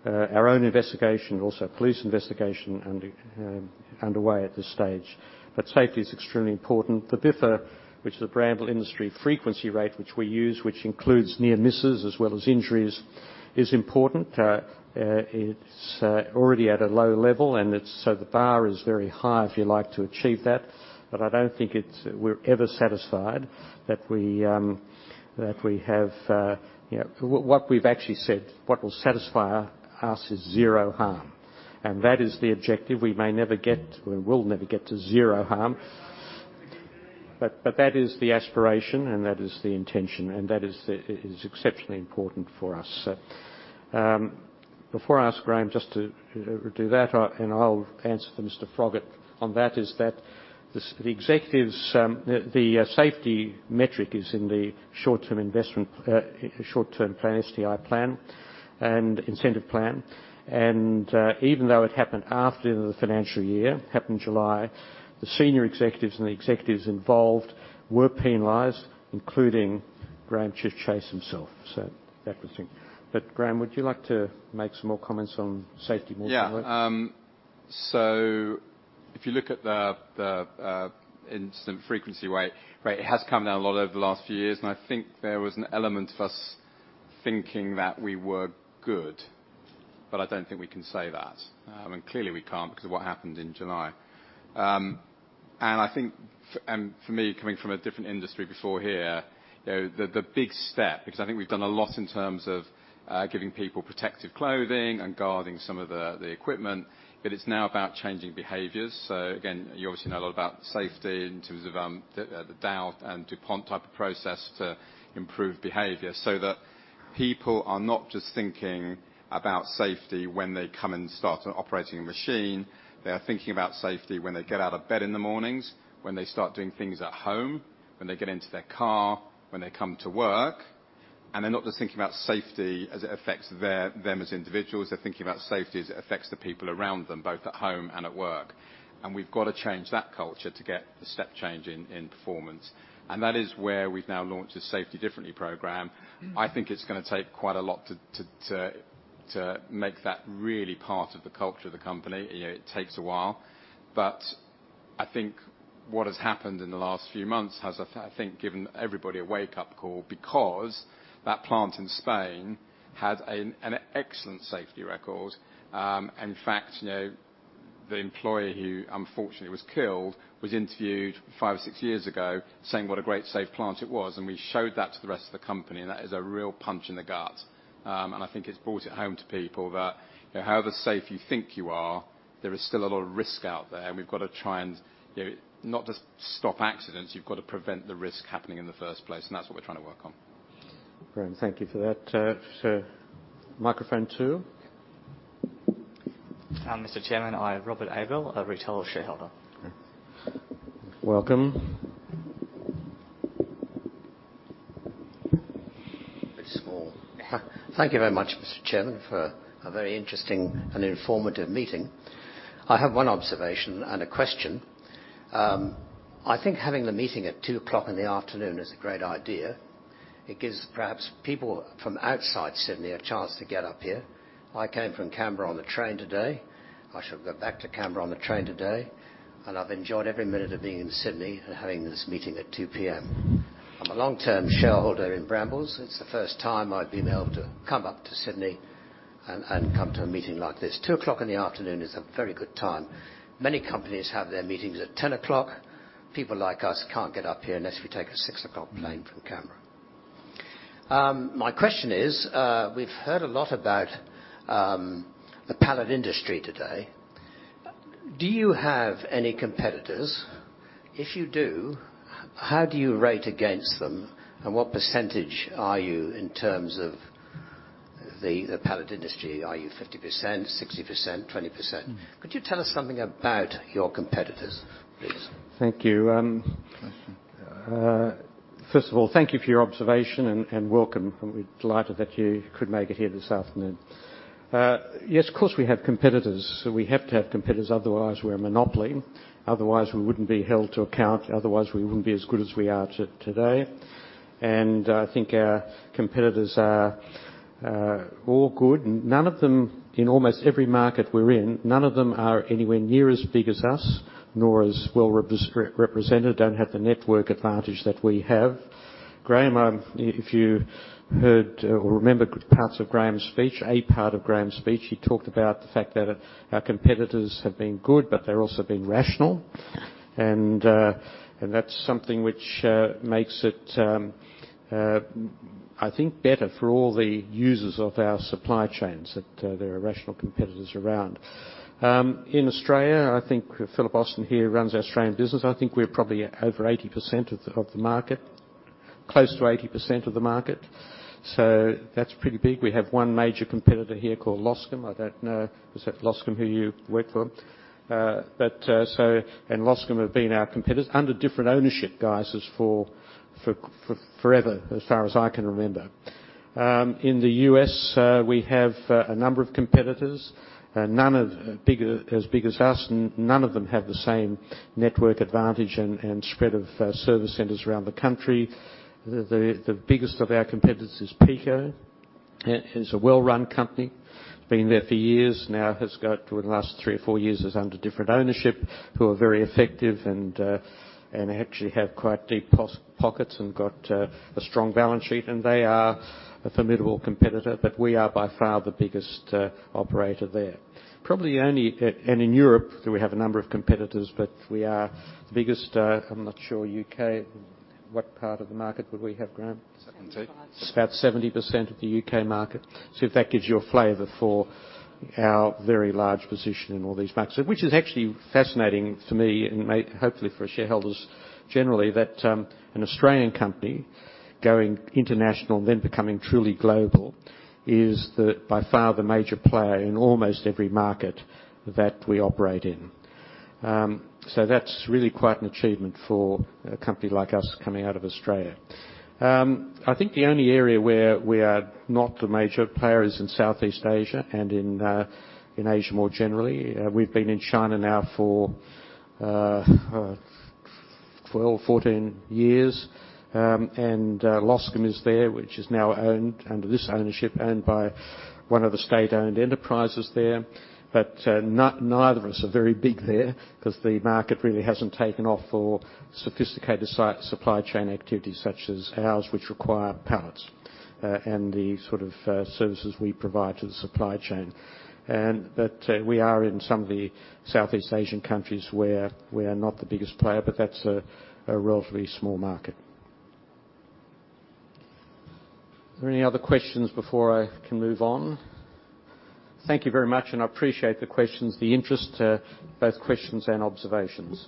our own investigation, also a police investigation underway at this stage. Safety is extremely important. The BIFR, which is the Brambles Injury Frequency Rate, which we use, which includes near misses as well as injuries, is important. It's already at a low level, the bar is very high, if you like, to achieve that. I don't think we're ever satisfied. What we've actually said, what will satisfy us is zero harm. That is the objective. We will never get to zero harm. That is the aspiration and that is the intention, and that is exceptionally important for us. Before I ask Graham just to do that, and I will answer for Mr. Froggatt on that, is that the safety metric is in the short-term plan, STI plan and incentive plan. Even though it happened after the financial year, happened in July, the senior executives and the executives involved were penalized, including Graham Chipchase himself. That was him. Graham, would you like to make some more comments on safety measures? Yeah. If you look at the incident frequency rate, it has come down a lot over the last few years, and I think there was an element of us thinking that we were good. I don't think we can say that. I mean, clearly we can't because of what happened in July. I think for me, coming from a different industry before here, the big step, because I think we've done a lot in terms of giving people protective clothing and guarding some of the equipment, but it's now about changing behaviors. Again, you obviously know a lot about safety in terms of the Dow and DuPont type of process to improve behavior so that people are not just thinking about safety when they come and start operating a machine. They are thinking about safety when they get out of bed in the mornings, when they start doing things at home, when they get into their car, when they come to work. They're not just thinking about safety as it affects them as individuals. They're thinking about safety as it affects the people around them, both at home and at work. We've got to change that culture to get the step change in performance. That is where we've now launched a Safety Differently program. I think it's gonna take quite a lot to make that really part of the culture of the company. It takes a while. I think what has happened in the last few months has, I think, given everybody a wake-up call because that plant in Spain had an excellent safety record. The employee who unfortunately was killed was interviewed five or six years ago saying what a great safe plant it was, and we showed that to the rest of the company, and that is a real punch in the gut. I think it's brought it home to people that however safe you think you are, there is still a lot of risk out there, and we've got to try and not just stop accidents, you've got to prevent the risk happening in the first place. That's what we're trying to work on. Great. Thank you for that. Microphone two. Mr. Chairman, I am Robert Abel, a retail shareholder. Welcome. Bit small. Thank you very much, Mr. Chairman, for a very interesting and informative meeting. I have one observation and a question. I think having the meeting at two o'clock in the afternoon is a great idea. It gives perhaps people from outside Sydney a chance to get up here. I came from Canberra on the train today. I shall go back to Canberra on the train today. I've enjoyed every minute of being in Sydney and having this meeting at 2:00 P.M. I'm a long-term shareholder in Brambles. It's the first time I've been able to come up to Sydney and come to a meeting like this. Two o'clock in the afternoon is a very good time. Many companies have their meetings at 10:00 o'clock, people like us can't get up here unless we take a six o'clock plane from Canberra. My question is, we've heard a lot about the pallet industry today. Do you have any competitors? If you do, how do you rate against them, and what percentage are you in terms of the pallet industry? Are you 50%, 60%, 20%? Could you tell us something about your competitors, please? Thank you. Question. First of all, thank you for your observation, and welcome. We're delighted that you could make it here this afternoon. Yes, of course, we have competitors. We have to have competitors, otherwise we're a monopoly. Otherwise, we wouldn't be held to account. Otherwise, we wouldn't be as good as we are today. I think our competitors are all good. In almost every market we're in, none of them are anywhere near as big as us nor as well-represented, don't have the network advantage that we have. Graham, if you heard or remember parts of Graham's speech, a part of Graham's speech, he talked about the fact that our competitors have been good, but they've also been rational. That's something which makes it, I think, better for all the users of our supply chains, that there are rational competitors around. In Australia, I think Phillip Austin here runs our Australian business. I think we're probably at over 80% of the market, close to 80% of the market. That's pretty big. We have one major competitor here called LOSCAM. I don't know, is that LOSCAM who you work for? LOSCAM have been our competitors under different ownership guises for forever, as far as I can remember. In the U.S., we have a number of competitors. None as big as us, none of them have the same network advantage and spread of service centers around the country. The biggest of our competitors is PECO. It's a well-run company, been there for years now. Has got to in the last three or four years is under different ownership, who are very effective and actually have quite deep pockets and got a strong balance sheet. They are a formidable competitor. We are by far the biggest operator there. In Europe, we have a number of competitors, but we are the biggest. I'm not sure U.K., what part of the market would we have, Graham? 75. It's about 70% of the U.K. market. If that gives you a flavor for our very large position in all these markets. Actually fascinating to me and hopefully for shareholders generally, that an Australian company going international and then becoming truly global is by far the major player in almost every market that we operate in. That's really quite an achievement for a company like us coming out of Australia. I think the only area where we are not the major player is in Southeast Asia and in Asia more generally. We've been in China now for 12, 14 years. LOSCAM is there, which is now owned under this ownership and by one of the state-owned enterprises there. Neither of us are very big there because the market really hasn't taken off for sophisticated supply chain activities such as ours, which require pallets, and the sort of services we provide to the supply chain. We are in some of the Southeast Asian countries where we are not the biggest player, but that's a relatively small market. Are there any other questions before I can move on? Thank you very much, and I appreciate the questions, the interest, both questions and observations.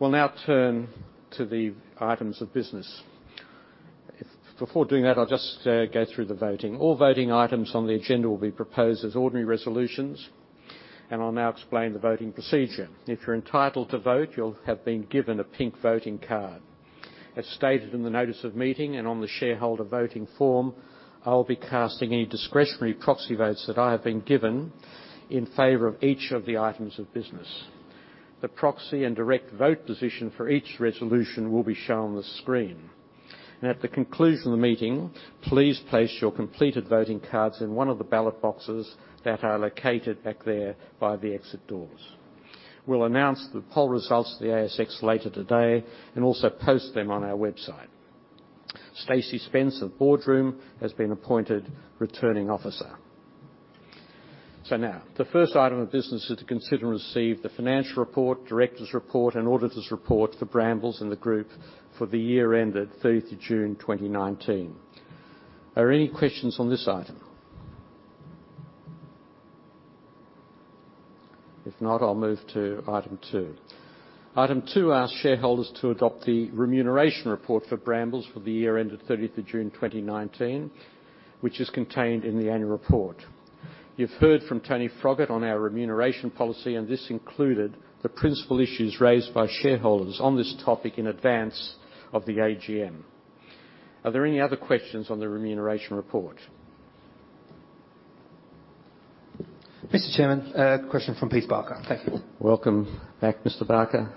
We'll now turn to the items of business. Before doing that, I'll just go through the voting. All voting items on the agenda will be proposed as ordinary resolutions, and I'll now explain the voting procedure. If you're entitled to vote, you'll have been given a pink voting card. As stated in the notice of meeting and on the shareholder voting form, I'll be casting any discretionary proxy votes that I have been given in favor of each of the items of business. The proxy and direct vote position for each resolution will be shown on the screen. At the conclusion of the meeting, please place your completed voting cards in one of the ballot boxes that are located back there by the exit doors. We'll announce the poll results to the ASX later today and also post them on our website. Stacy Spence of Boardroom has been appointed Returning Officer. Now, the first item of business is to consider and receive the financial report, Directors' Report, and auditors' report for Brambles and the group for the year ended 30th of June 2019. Are there any questions on this item? If not, I'll move to item two. Item two asks shareholders to adopt the remuneration report for Brambles for the year ended 30th of June 2019, which is contained in the annual report. You've heard from Tony Froggatt on our remuneration policy, and this included the principal issues raised by shareholders on this topic in advance of the AGM. Are there any other questions on the remuneration report? Mr. Chairman, a question from Peter Barker. Thank you. Welcome back, Mr. Barker.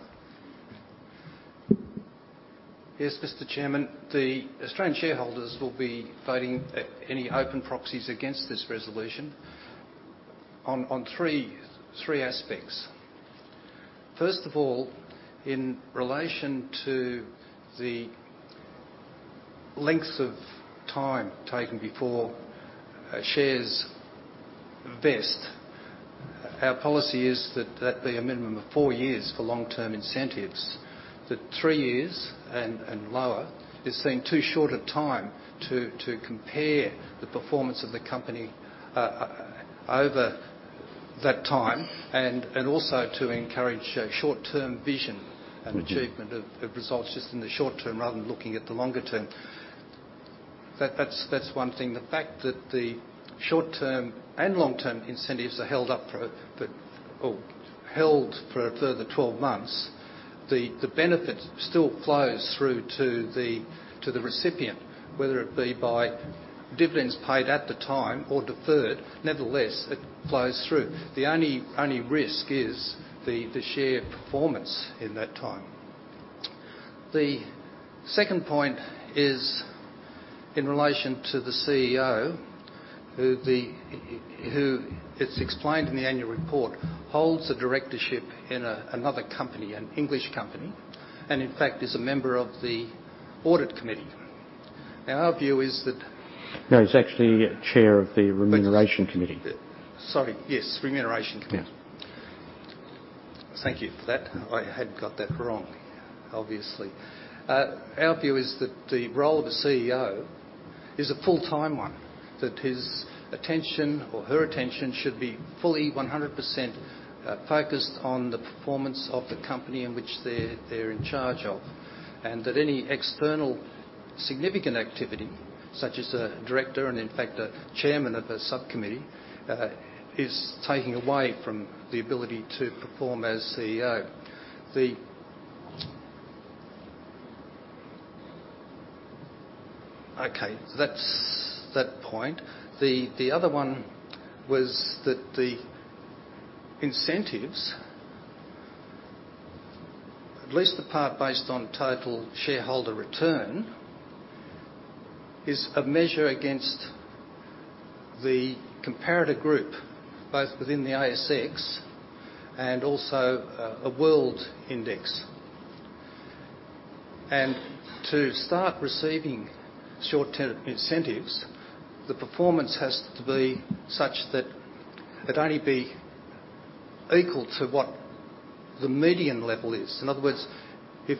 Yes, Mr. Chairman. The Australian shareholders will be voting any open proxies against this resolution on three aspects. First of all, in relation to the lengths of time taken before shares vest, our policy is that that be a minimum of four years for long-term incentives. The three years and lower is seen too short a time to compare the performance of the company over that time and also to encourage short-term vision. Achievement of results just in the short term rather than looking at the longer term. That's one thing. The fact that the short-term and long-term incentives are held for a further 12 months, the benefit still flows through to the recipient, whether it be by dividends paid at the time or deferred. Nevertheless, it flows through. The only risk is the share performance in that time. The second point is in relation to the CEO, who, it's explained in the annual report, holds a directorship in another company, an English company, and in fact is a member of the Audit Committee. Our view is that. No, he's actually Chair of the Remuneration Committee. Sorry. Yes, Remuneration Committee. Yeah. Thank you for that. I had got that wrong, obviously. Our view is that the role of a CEO is a full-time one, that his attention or her attention should be fully 100% focused on the performance of the company in which they're in charge of, and that any external significant activity, such as a director and in fact a chairman of a subcommittee, is taking away from the ability to perform as CEO. Okay, that's that point. The other one was that the incentives, at least the part based on total shareholder return, is a measure against the comparator group, both within the ASX and also a world index. To start receiving short-term incentives, the performance has to be such that it only be equal to what the median level is. In other words, if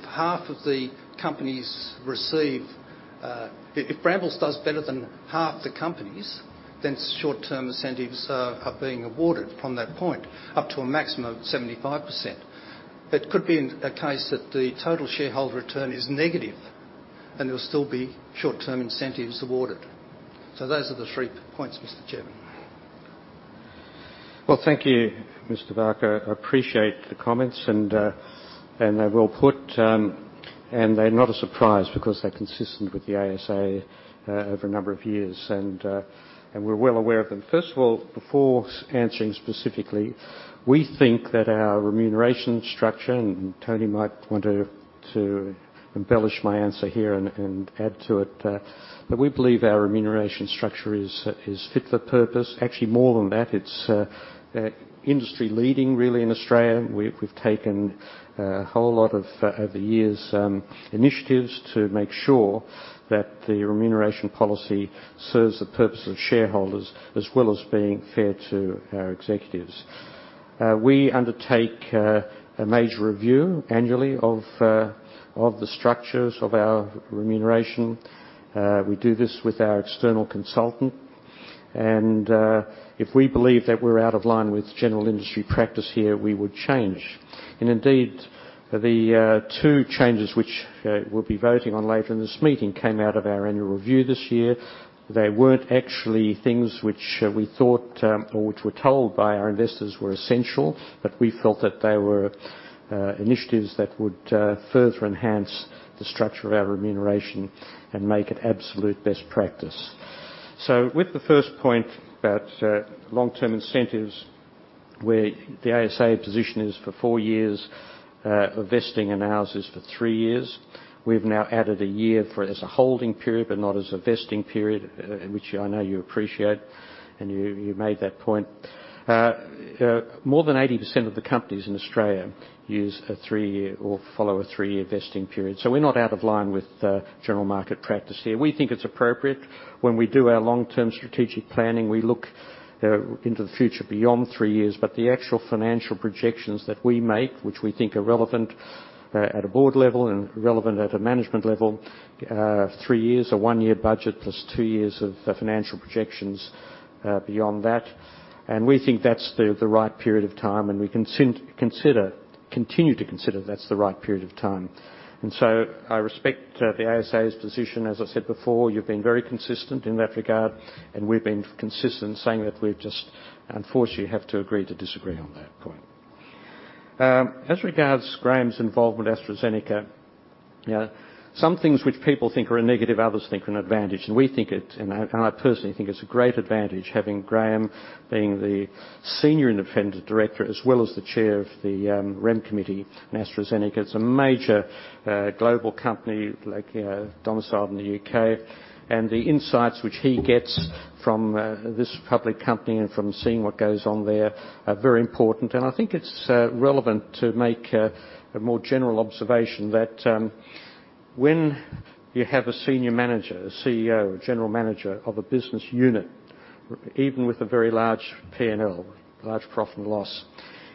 Brambles does better than half the companies, then short-term incentives are being awarded from that point, up to a maximum of 75%. It could be a case that the total shareholder return is negative, and there will still be short-term incentives awarded. Those are the three points, Mr. Chairman. Well, thank you, Mr. Barker. I appreciate the comments, and they're well put, and they're not a surprise because they're consistent with the ASA over a number of years, and we're well aware of them. First of all, before answering specifically, we think that our remuneration structure, and Tony might want to embellish my answer here and add to it, but we believe our remuneration structure is fit for purpose. Actually, more than that, it's industry leading, really, in Australia. We've taken a whole lot of, over the years, initiatives to make sure that the remuneration policy serves the purpose of shareholders as well as being fair to our executives. We undertake a major review annually of the structures of our remuneration. We do this with our external consultant. If we believe that we're out of line with general industry practice here, we would change. Indeed, the two changes which we'll be voting on later in this meeting came out of our annual review this year. They weren't actually things which we thought or which we're told by our investors were essential, but we felt that they were initiatives that would further enhance the structure of our remuneration and make it absolute best practice. With the first point about long-term incentives. Where the ASA position is for four years, vesting in ours is for three years. We've now added a year for it as a holding period, but not as a vesting period, which I know you appreciate, and you made that point. More than 80% of the companies in Australia use a three-year or follow a three-year vesting period. We're not out of line with general market practice here. We think it's appropriate when we do our long-term strategic planning. We look into the future beyond three years, but the actual financial projections that we make, which we think are relevant at a Board level and relevant at a management level, are three years. A one-year budget plus two years of financial projections beyond that. We think that's the right period of time. We continue to consider that's the right period of time. I respect the ASA's position. As I said before, you've been very consistent in that regard. We've been consistent in saying that we just unfortunately have to agree to disagree on that point. As regards Graham's involvement with AstraZeneca, some things which people think are a negative, others think are an advantage. I personally think it's a great advantage having Graham being the senior independent director as well as the chair of the Rem committee in AstraZeneca. It's a major global company domiciled in the U.K., and the insights which he gets from this public company and from seeing what goes on there are very important. I think it's relevant to make a more general observation that when you have a senior manager, a CEO, a general manager of a business unit, even with a very large P&L, large profit and loss,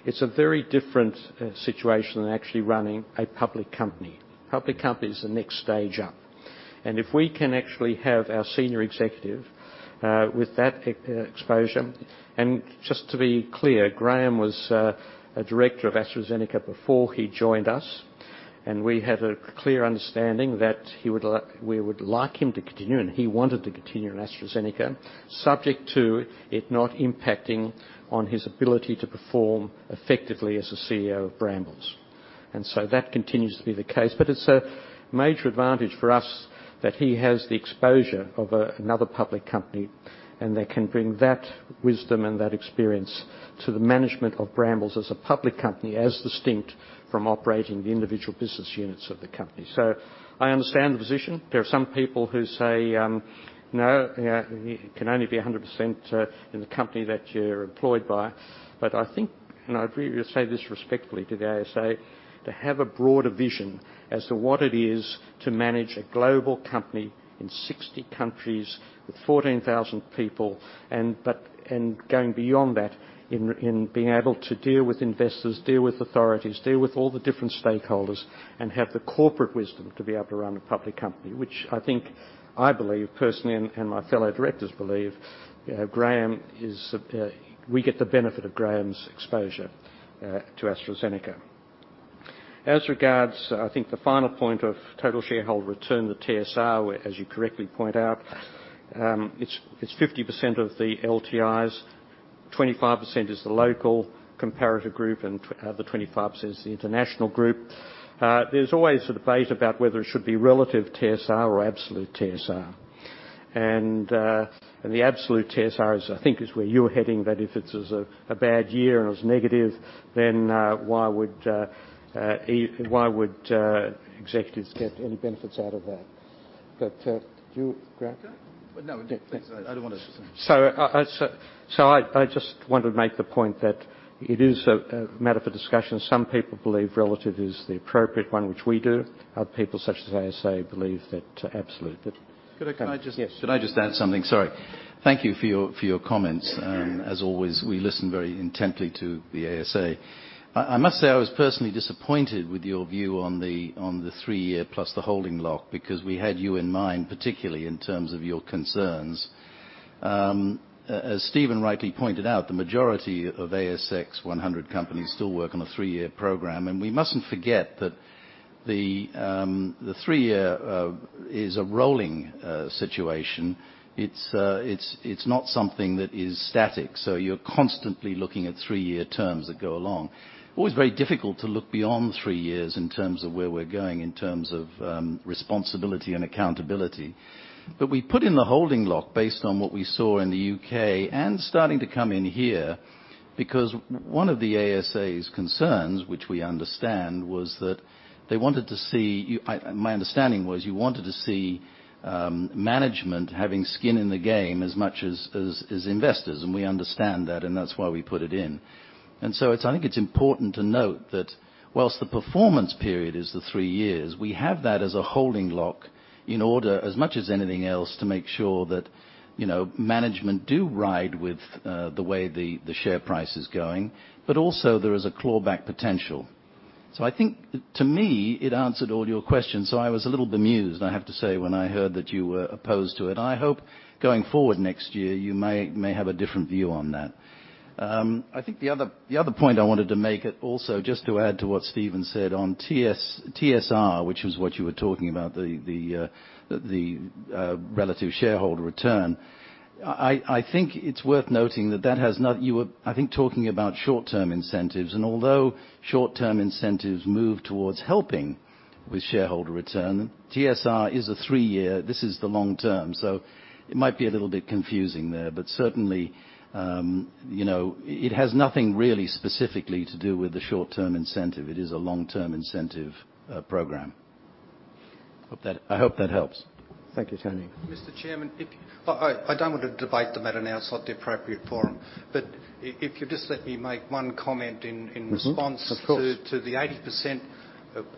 it's a very different situation than actually running a public company. A public company is the next stage up. If we can actually have our senior executive with that exposure, and just to be clear, Graham was a director of AstraZeneca before he joined us, and we had a clear understanding that we would like him to continue, and he wanted to continue in AstraZeneca, subject to it not impacting on his ability to perform effectively as a CEO of Brambles. That continues to be the case, but it's a major advantage for us that he has the exposure of another public company and then can bring that wisdom and that experience to the management of Brambles as a public company, as distinct from operating the individual business units of the company. I understand the position. There are some people who say, no, you can only be 100% in the company that you're employed by. I think, and I say this respectfully to the ASA, to have a broader vision as to what it is to manage a global company in 60 countries with 14,000 people and going beyond that in being able to deal with investors, deal with authorities, deal with all the different stakeholders, and have the corporate wisdom to be able to run a public company. Which I think I believe personally and my fellow directors believe we get the benefit of Graham's exposure to AstraZeneca. As regards, I think the final point of total shareholder return, the TSR, where as you correctly point out, it's 50% of the LTIs, 25% is the local comparator group, and the other 25% is the international group. There's always a debate about whether it should be relative TSR or absolute TSR. The absolute TSR is I think is where you're heading, that if it's a bad year and it's negative, why would executives get any benefits out of that? Do you, Graham? No. I just want to make the point that it is a matter for discussion. Some people believe relative is the appropriate one, which we do. Other people, such as the ASA, believe that absolute. Could I just- Yes. Could I just add something? Sorry. Thank you for your comments. As always, we listen very intently to the ASA. I must say, I was personally disappointed with your view on the three-year plus the holding lock because we had you in mind, particularly in terms of your concerns. As Stephen rightly pointed out, the majority of ASX 100 companies still work on a three-year program. We mustn't forget that the three-year is a rolling situation. It's not something that is static. You're constantly looking at three-year terms that go along. Always very difficult to look beyond three years in terms of where we're going, in terms of responsibility and accountability. We put in the holding lock based on what we saw in the U.K. and starting to come in here, because one of the ASA's concerns, which we understand, my understanding was you wanted to see management having skin in the game as much as investors. We understand that, and that's why we put it in. I think it's important to note that whilst the performance period is the three years, we have that as a holding lock in order, as much as anything else, to make sure that management do ride with the way the share price is going. Also, there is a clawback potential. I think to me, it answered all your questions. I was a little bemused, I have to say, when I heard that you were opposed to it. I hope going forward next year you may have a different view on that. I think the other point I wanted to make also, just to add to what Stephen said on TSR, which was what you were talking about, the relative shareholder return. I think it's worth noting that you were, I think, talking about short-term incentives, although short-term incentives move towards helping with shareholder return, TSR is a three-year. This is the long term. It might be a little bit confusing there, but certainly it has nothing really specifically to do with the short-term incentive. It is a long-term incentive program. I hope that helps. Thank you, Tony. Mr. Chairman, I don't want to debate the matter now. It's not the appropriate forum. If you'll just let me make one comment in response. Mm-hmm. Of course To the 80%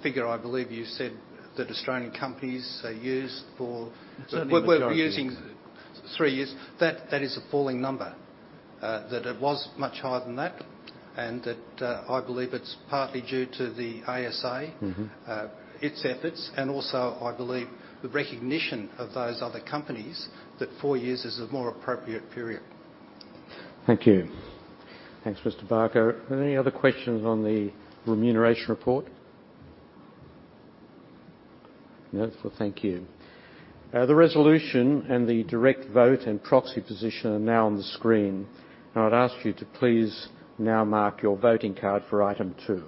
figure, I believe you said that Australian companies use. Certainly the majority. We're using three years. That is a falling number. That it was much higher than that, and that I believe it's partly due to the ASA, its efforts, and also, I believe, the recognition of those other companies, that four years is a more appropriate period. Thank you. Thanks, Mr. Barker. Are there any other questions on the remuneration report? No. Thank you. The resolution and the direct vote and proxy position are now on the screen. I would ask you to please now mark your voting card for item two.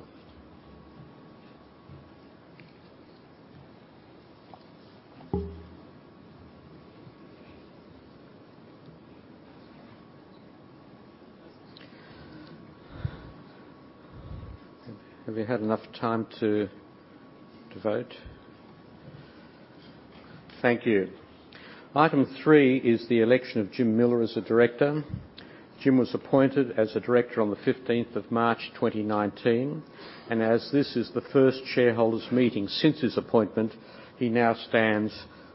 Have you had enough time to vote? Thank you. Item three is the election of Jim Miller as a director. Jim was appointed as a director on the 15th of March 2019, and as this is the first shareholders' meeting since his appointment, he now stands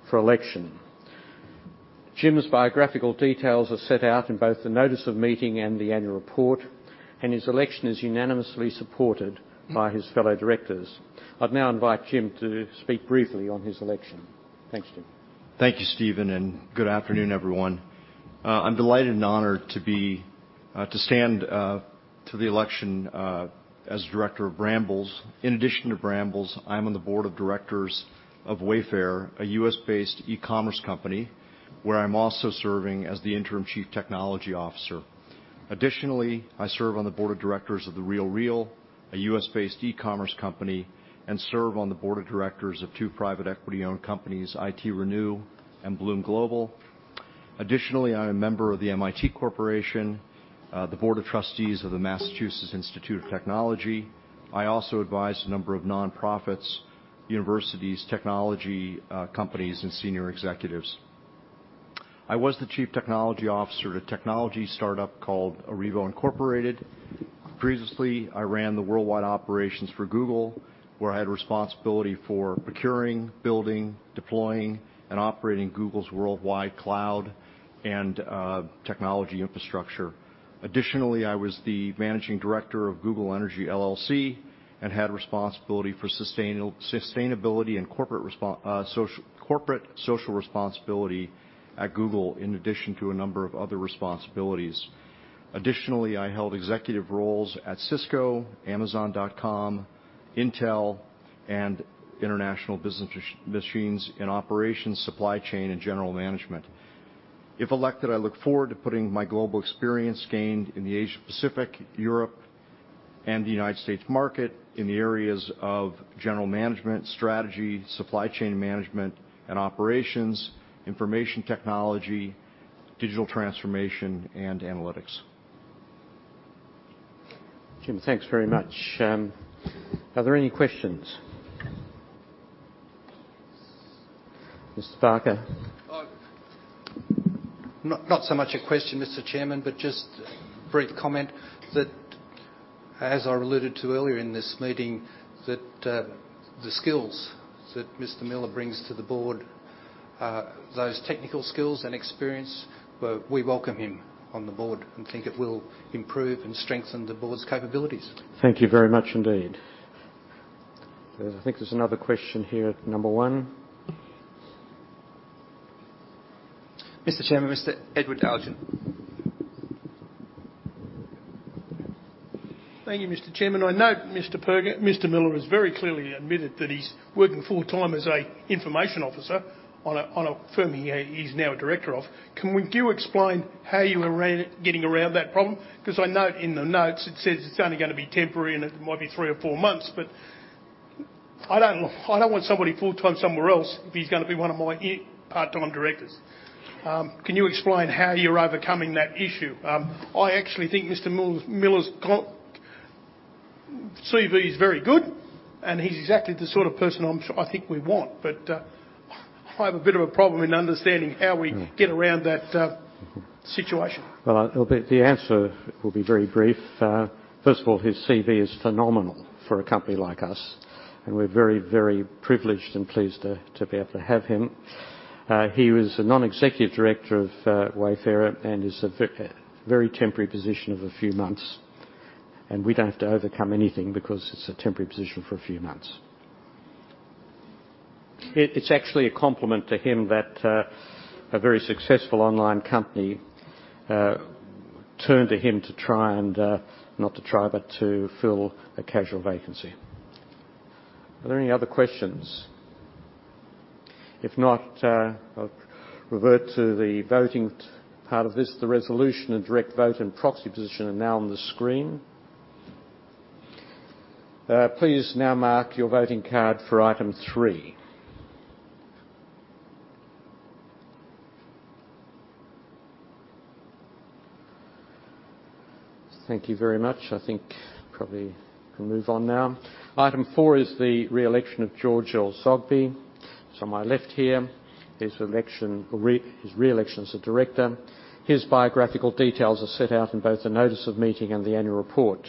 for election. Jim's biographical details are set out in both the notice of meeting and the annual report, and his election is unanimously supported by his fellow directors. I'd now invite Jim to speak briefly on his election. Thanks, Jim. Thank you, Stephen, and good afternoon, everyone. I'm delighted and honored to stand to the election as director of Brambles. In addition to Brambles, I'm on the board of directors of Wayfair, a U.S.-based e-commerce company, where I'm also serving as the interim Chief Technology Officer. Additionally, I serve on the board of directors of The RealReal, a U.S.-based e-commerce company, and serve on the board of directors of two private equity-owned companies, ITRenew and Blume Global. Additionally, I'm a member of the MIT Corporation, the board of trustees of the Massachusetts Institute of Technology. I also advise a number of nonprofits, universities, technology companies, and senior executives. I was the Chief Technology Officer at a technology startup called Arrivo Corporation. Previously, I ran the worldwide operations for Google, where I had responsibility for procuring, building, deploying, and operating Google's worldwide cloud and technology infrastructure. Additionally, I was the managing director of Google Energy LLC and had responsibility for sustainability and corporate social responsibility at Google, in addition to a number of other responsibilities. Additionally, I held executive roles at Cisco, Amazon.com, Intel, and International Business Machines in operations, supply chain, and general management. If elected, I look forward to putting my global experience gained in the Asia-Pacific, Europe, and the United States market in the areas of general management, strategy, supply chain management and operations, information technology, digital transformation, and analytics. Jim, thanks very much. Are there any questions? Mr. Barker. Not so much a question, Mr. Chairman, but just a brief comment that, as I alluded to earlier in this meeting, that the skills that Mr. Miller brings to the board, those technical skills and experience, we welcome him on the Board and think it will improve and strengthen the Board's capabilities. Thank you very much indeed. I think there's another question here at number one. Mr. Chairman, Mr. Edward Dalton. Thank you, Mr. Chairman. I note Mr. Miller has very clearly admitted that he's working full-time as an information officer on a firm he's now a director of. Can you explain how you are getting around that problem? I note in the notes it says it's only going to be temporary and it might be three or four months, but I don't want somebody full-time somewhere else if he's going to be one of my part-time directors. Can you explain how you're overcoming that issue? I actually think Mr. Miller's CV is very good, and he's exactly the sort of person I think we want. I have a bit of a problem in understanding how we get around that situation. Well, the answer will be very brief. First of all, his CV is phenomenal for a company like us, and we're very, very privileged and pleased to be able to have him. He was a non-executive director of Wayfair and is a very temporary position of a few months, and we don't have to overcome anything because it's a temporary position for a few months. It's actually a compliment to him that a very successful online company turned to him to fill a casual vacancy. Are there any other questions? If not, I'll revert to the voting part of this. The resolution and direct vote and proxy position are now on the screen. Please now mark your voting card for item three. Thank you very much. I think probably we can move on now. Item four is the re-election of George El-Zoghbi, he's on my left here. His re-election as a director. His biographical details are set out in both the notice of meeting and the annual report.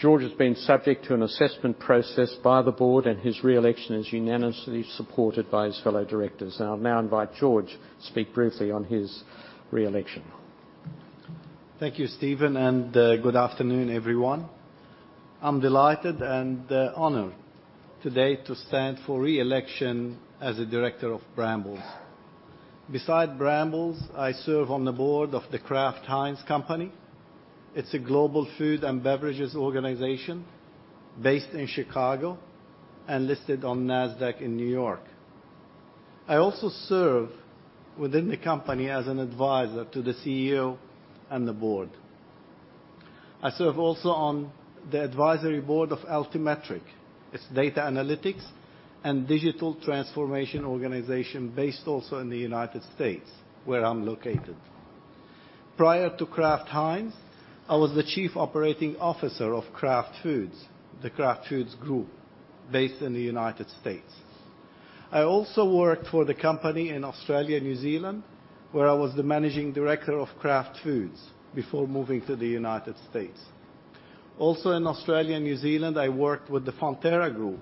George has been subject to an assessment process by the board, and his re-election is unanimously supported by his fellow directors. I'll now invite George to speak briefly on his re-election. Thank you, Stephen, and good afternoon, everyone. I'm delighted and honored today to stand for re-election as a director of Brambles. Beside Brambles, I serve on the Board of The Kraft Heinz Company. It's a global food and beverages organization based in Chicago and listed on Nasdaq in New York. I also serve within the company as an advisor to the CEO and the Board. I serve also on the advisory board of Altimetrik. It's data analytics and digital transformation organization based also in the U.S., where I'm located. Prior to Kraft Heinz, I was the Chief Operating Officer of Kraft Foods, Kraft Foods Group based in the U.S. I also worked for the company in Australia, New Zealand, where I was the Managing Director of Kraft Foods before moving to the U.S. Also, in Australia and New Zealand, I worked with the Fonterra Group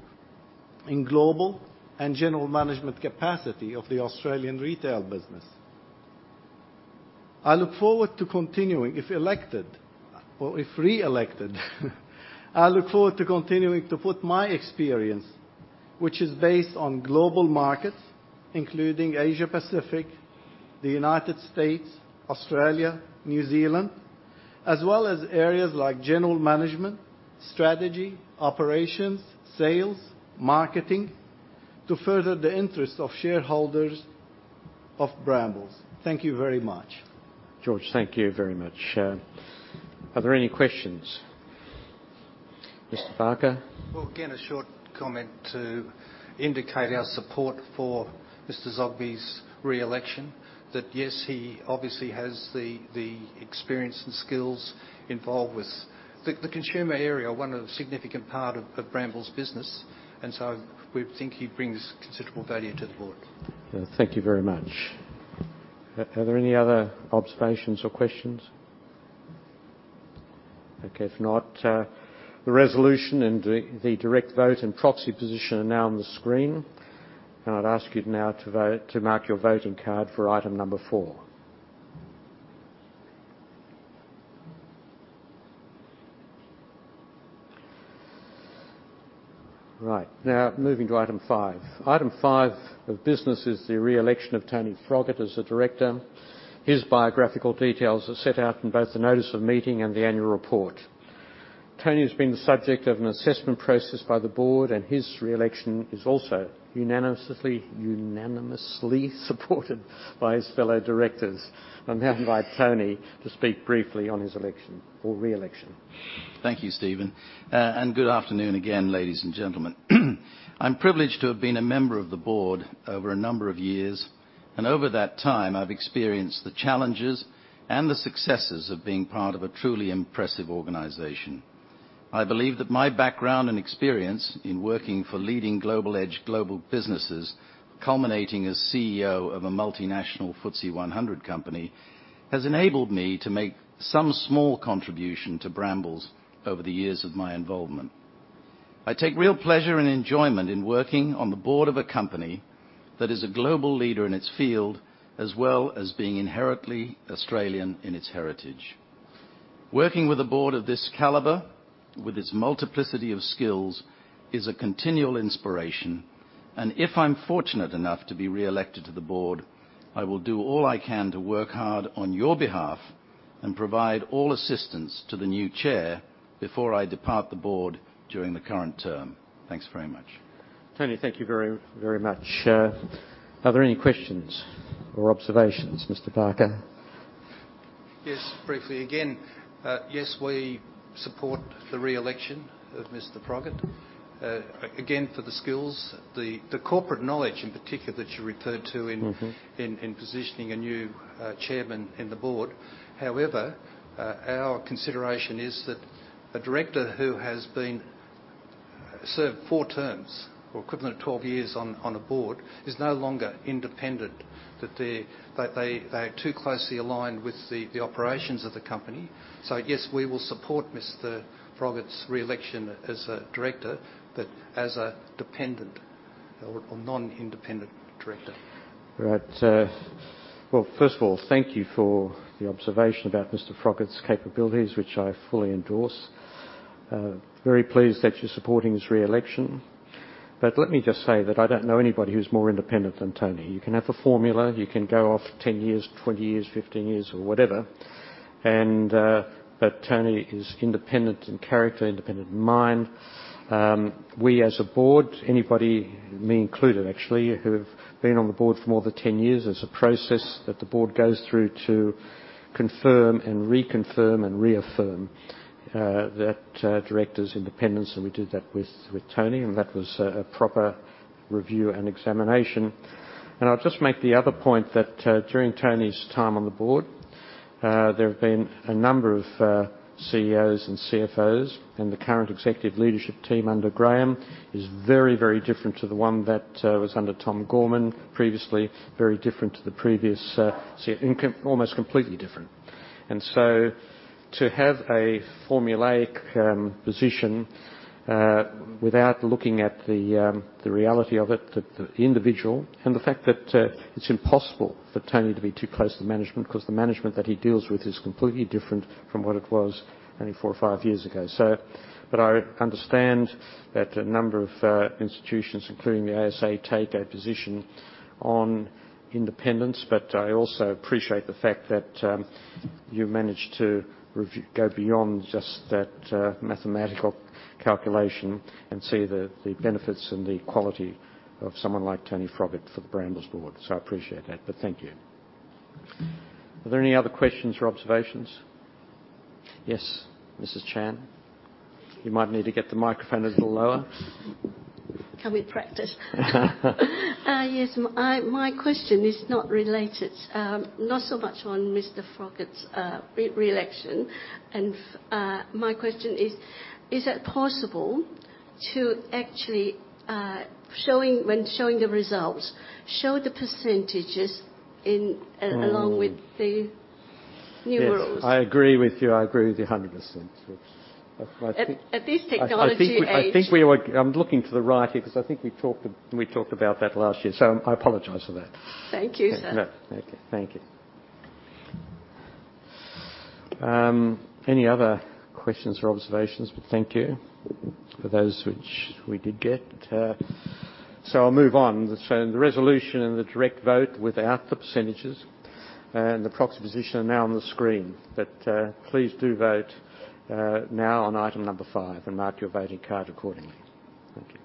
in global and general management capacity of the Australian retail business. If re-elected, I look forward to continuing to put my experience, which is based on global markets, including Asia Pacific, the United States, Australia, New Zealand, as well as areas like general management, strategy, operations, sales, marketing, to further the interest of shareholders of Brambles. Thank you very much. George, thank you very much. Are there any questions? Mr. Barker? Again, a short comment to indicate our support for Mr. Zoghbi's re-election. He obviously has the experience and skills involved with the consumer area, one of the significant parts of Brambles' business, and so we think he brings considerable value to the Board. Thank you very much. Are there any other observations or questions? Okay. If not, the resolution and the direct vote and proxy position are now on the screen. I'd ask you now to mark your voting card for item number four. Right. Now, moving to item five. Item five of business is the re-election of Tony Froggatt as a Director. His biographical details are set out in both the notice of meeting and the annual report. Tony has been the subject of an assessment process by the Board, and his re-election is also unanimously supported by his fellow directors. I now invite Tony to speak briefly on his election or re-election. Thank you, Stephen, and good afternoon again, ladies and gentlemen. I'm privileged to have been a member of the Board over a number of years, and over that time, I've experienced the challenges and the successes of being part of a truly impressive organization. I believe that my background and experience in working for leading edge global businesses, culminating as CEO of a multinational FTSE 100 company, has enabled me to make some small contribution to Brambles over the years of my involvement. I take real pleasure and enjoyment in working on the board of a company that is a global leader in its field, as well as being inherently Australian in its heritage. Working with a Board of this caliber, with its multiplicity of skills, is a continual inspiration. If I'm fortunate enough to be re-elected to the Board, I will do all I can to work hard on your behalf and provide all assistance to the new Chair before I depart the Board during the current term. Thanks very much. Tony, thank you very much. Are there any questions or observations? Mr. Barker? Yes, briefly again. Yes, we support the re-election of Mr. Froggatt, again, for the skills, the corporate knowledge in particular that you referred to. in positioning a new chairman in the board. Our consideration is that a director who has served four terms or equivalent to 12 years on a board is no longer independent, that they are too closely aligned with the operations of the company. Yes, we will support Mr. Froggatt's re-election as a Director, but as a dependent or non-independent director. Right. Well, first of all, thank you for the observation about Mr. Froggatt's capabilities, which I fully endorse. Very pleased that you're supporting his re-election. Let me just say that I don't know anybody who's more independent than Tony. You can have a formula, you can go off 10 years, 20 years, 15 years, or whatever, Tony is independent in character, independent in mind. We, as a Board, anybody, me included actually, who have been on the Board for more than 10 years, there's a process that the Board goes through to confirm and reconfirm and reaffirm that director's independence, and we did that with Tony, and that was a proper review and examination. I'll just make the other point that during Tony's time on the Board, there have been a number of CEOs and CFOs, and the current executive leadership team under Graham is very, very different to the one that was under Tom Gorman previously, very different to the almost completely different. To have a formulaic position without looking at the reality of it, the individual, and the fact that it's impossible for Tony to be too close to the management because the management that he deals with is completely different from what it was only four or five years ago. I understand that a number of institutions, including the ASA, take a position on independence. I also appreciate the fact that you managed to go beyond just that mathematical calculation and see the benefits and the quality of someone like Tony Froggatt for the Brambles board. I appreciate that. Thank you. Are there any other questions or observations? Yes, Mrs. Chan. You might need to get the microphone a little lower. Can we practice? Yes. My question is not related, not so much on Mr. Froggatt's re-election. My question is: Is it possible to actually, when showing the results, show the percentages along with the numerals? Yes. I agree with you. I agree with you 100%. At this technology age. I think I'm looking to the right here because I think we talked about that last year. I apologize for that. Thank you, sir. No. Thank you. Any other questions or observations? Thank you for those which we did get. I'll move on. The resolution and the direct vote without the percentages and the proxy position are now on the screen. Please do vote now on item number five and mark your voting card accordingly. Thank you.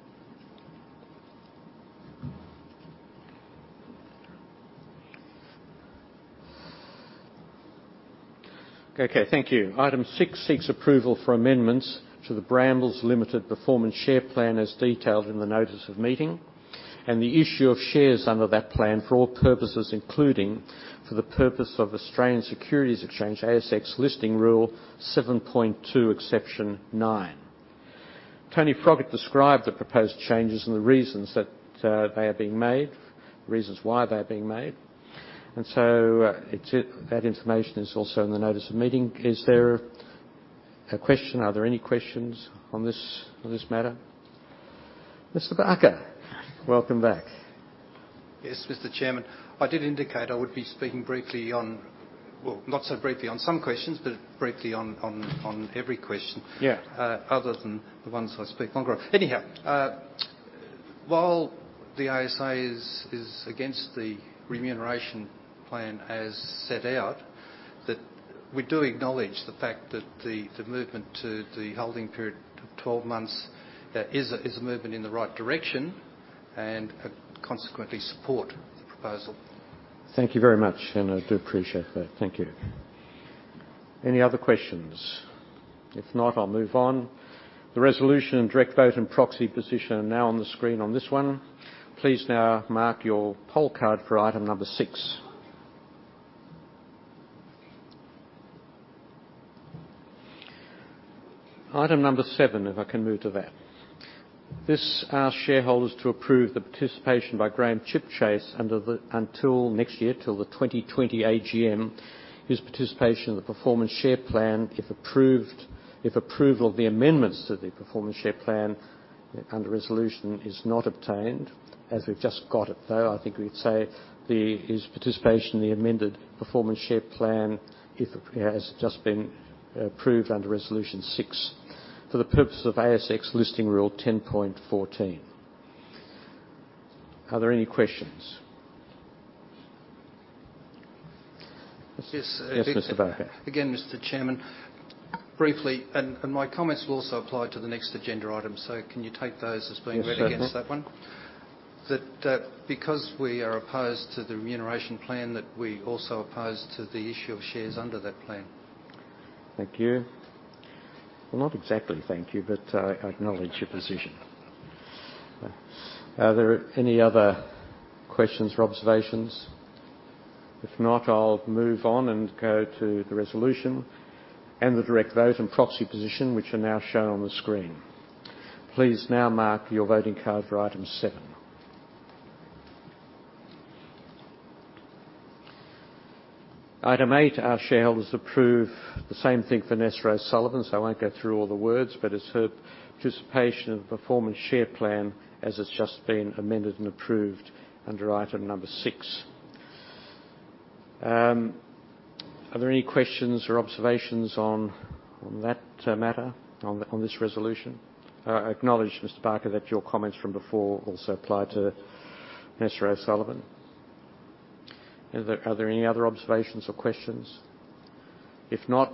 Okay. Thank you. Item six seeks approval for amendments to the Brambles Limited Performance Share Plan as detailed in the notice of meeting and the issue of shares under that plan for all purposes, including for the purpose of Australian Securities Exchange, ASX, Listing Rule 7.2, exception nine. Tony Froggatt described the proposed changes and the reasons that they are being made, the reasons why they are being made. That information is also in the notice of meeting. Is there a question? Are there any questions on this matter? Mr. Barker. Welcome back. Yes, Mr. Chairman. I did indicate I would be speaking briefly on, well, not so briefly on some questions, but briefly on every question. Yeah. Other than the ones I speak longer on. While the ASA is against the remuneration plan as set out, we do acknowledge the fact that the movement to the holding period to 12 months is a movement in the right direction, and consequently support the proposal. Thank you very much, and I do appreciate that. Thank you. Any other questions? If not, I'll move on. The resolution, direct vote, and proxy position are now on the screen on this one. Please now mark your poll card for item number six. Item number seven, if I can move to that. This asks shareholders to approve the participation by Graham Chipchase until next year, till the 2020 AGM, his participation in the performance share plan, if approval of the amendments to the performance share plan under resolution is not obtained, as we've just got it, though. I think we'd say his participation in the amended performance share plan has just been approved under Resolution 6 for the purpose of ASX Listing Rule 10.14. Are there any questions? Yes. Yes, Mr. Barker. Again, Mr. Chairman, briefly, my comments will also apply to the next agenda item. Can you take those as being read against that one? Yes. Because we are opposed to the remuneration plan, that we're also opposed to the issue of shares under that plan. Thank you. Well, not exactly thank you, but I acknowledge your position. Are there any other questions or observations? If not, I'll move on and go to the resolution and the direct vote and proxy position, which are now shown on the screen. Please now mark your voting card for item seven. Item eight asks shareholders approve the same thing for Nessa O'Sullivan, so I won't go through all the words, but it's her participation in the Performance Share Plan as it's just been amended and approved under item number six. Are there any questions or observations on that matter, on this resolution? I acknowledge, Mr. Barker, that your comments from before also apply to Nessa O'Sullivan. Are there any other observations or questions? If not,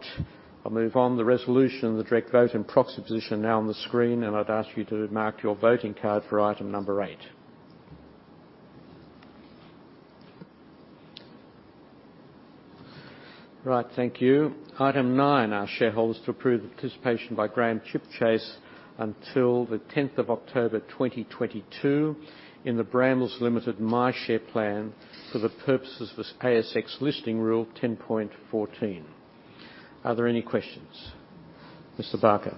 I'll move on. The resolution, the direct vote, and proxy position are now on the screen, and I'd ask you to mark your voting card for item number eight. Right. Thank you. Item nine, our shareholders to approve the participation by Graham Chipchase until the 10th of October 2022 in the Brambles Limited MyShare Plan for the purposes of ASX Listing Rule 10.14. Are there any questions? Mr. Barker?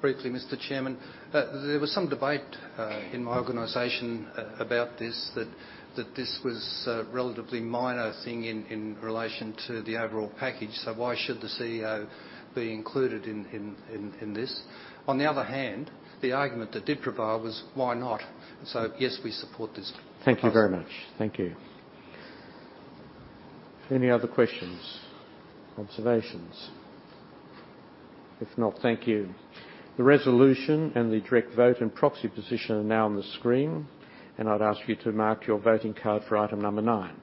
Briefly, Mr. Chairman. There was some debate in my organization about this, that this was a relatively minor thing in relation to the overall package, so why should the CEO be included in this? On the other hand, the argument that did prevail was, why not? Yes, we support this. Thank you very much. Thank you. Any other questions, observations? If not, thank you. The resolution and the direct vote and proxy position are now on the screen, and I'd ask you to mark your voting card for item number nine.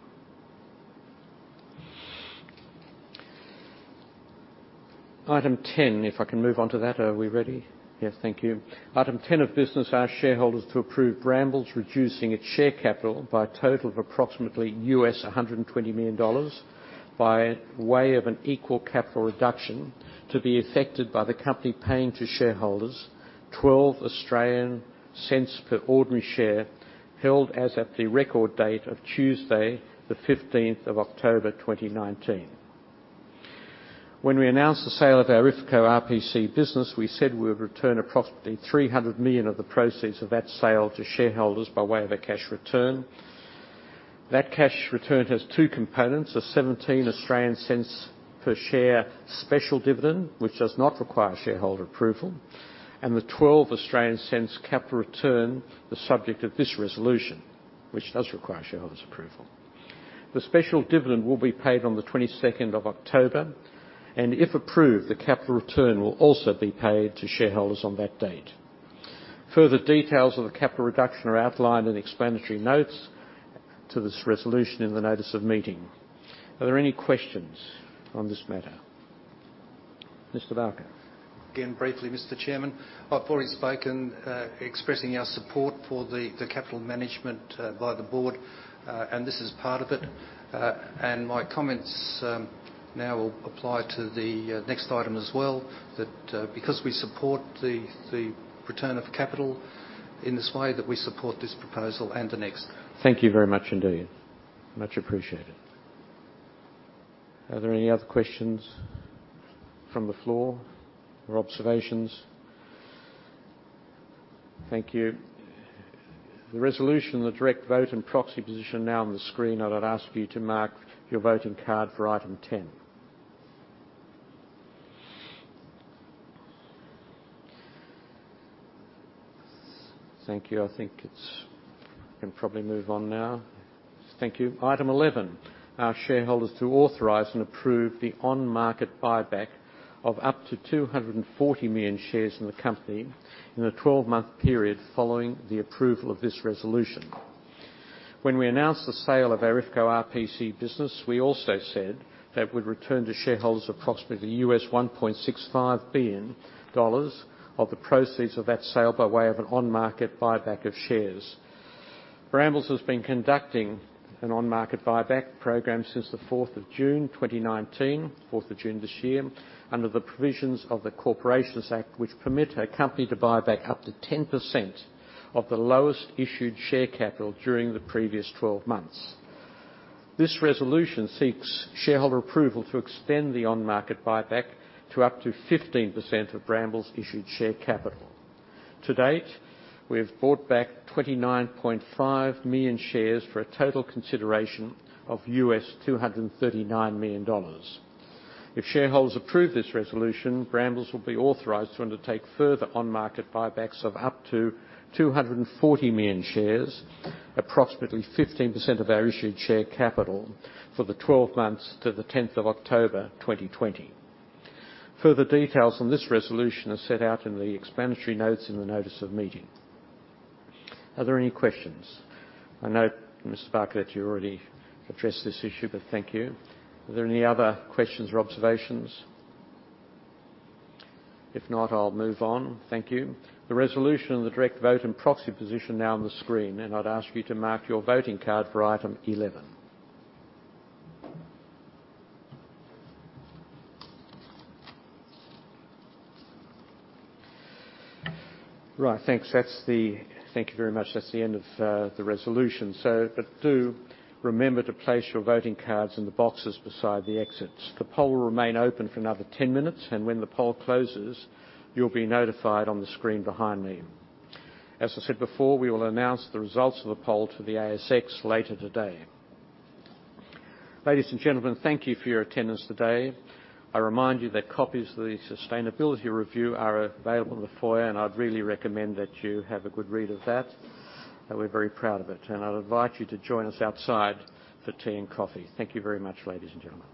Item 10, if I can move on to that. Are we ready? Yes, thank you. Item 10 of business, our shareholders to approve Brambles reducing its share capital by a total of approximately $120 million by way of an equal capital reduction to be effected by the company paying to shareholders 0.12 per ordinary share held as at the record date of Tuesday the 15th of October 2019. When we announced the sale of our IFCO RPC business, we said we would return approximately $300 million of the proceeds of that sale to shareholders by way of a cash return. That cash return has two components: a 0.17 per share special dividend, which does not require shareholder approval, and the 0.12 capital return, the subject of this resolution, which does require shareholders' approval. The special dividend will be paid on the 22nd of October, and if approved, the capital return will also be paid to shareholders on that date. Further details of the capital reduction are outlined in the explanatory notes to this resolution in the notice of meeting. Are there any questions on this matter? Mr. Barker? Again, briefly, Mr. Chairman. I've already spoken, expressing our support for the capital management by the Board, and this is part of it. My comments now apply to the next item as well, that because we support the return of capital in this way, that we support this proposal and the next. Thank you very much indeed. Much appreciated. Are there any other questions from the floor or observations? Thank you. The resolution and the direct vote and proxy position are now on the screen. I'd ask you to mark your voting card for item 10. Thank you. I think we can probably move on now. Thank you. Item 11, our shareholders to authorize and approve the on-market buyback of up to 240 million shares in the company in the 12-month period following the approval of this resolution. When we announced the sale of our IFCO RPC business, we also said that we'd return to shareholders approximately US $1.65 billion of the proceeds of that sale by way of an on-market buyback of shares. Brambles has been conducting an on-market buyback program since the 4th of June 2019, 4th of June this year, under the provisions of the Corporations Act, which permit a company to buy back up to 10% of the lowest issued share capital during the previous 12 months. This resolution seeks shareholder approval to extend the on-market buyback to up to 15% of Brambles' issued share capital. To date, we have bought back 29.5 million shares for a total consideration of $239 million. If shareholders approve this resolution, Brambles will be authorized to undertake further on-market buybacks of up to 240 million shares, approximately 15% of our issued share capital, for the 12 months to the 10th of October 2020. Further details on this resolution are set out in the explanatory notes in the notice of meeting. Are there any questions? I know, Mr. Barker, that you already addressed this issue. Thank you. Are there any other questions or observations? If not, I'll move on. Thank you. The resolution and the direct vote and proxy position are now on the screen. I'd ask you to mark your voting card for item 11. Right, thanks. Thank you very much. That's the end of the resolution. Do remember to place your voting cards in the boxes beside the exits. The poll will remain open for another 10 minutes. When the poll closes, you'll be notified on the screen behind me. As I said before, we will announce the results of the poll to the ASX later today. Ladies and gentlemen, thank you for your attendance today. I remind you that copies of the sustainability review are available in the foyer. I'd really recommend that you have a good read of that. We're very proud of it. I'd invite you to join us outside for tea and coffee. Thank you very much, ladies and gentlemen.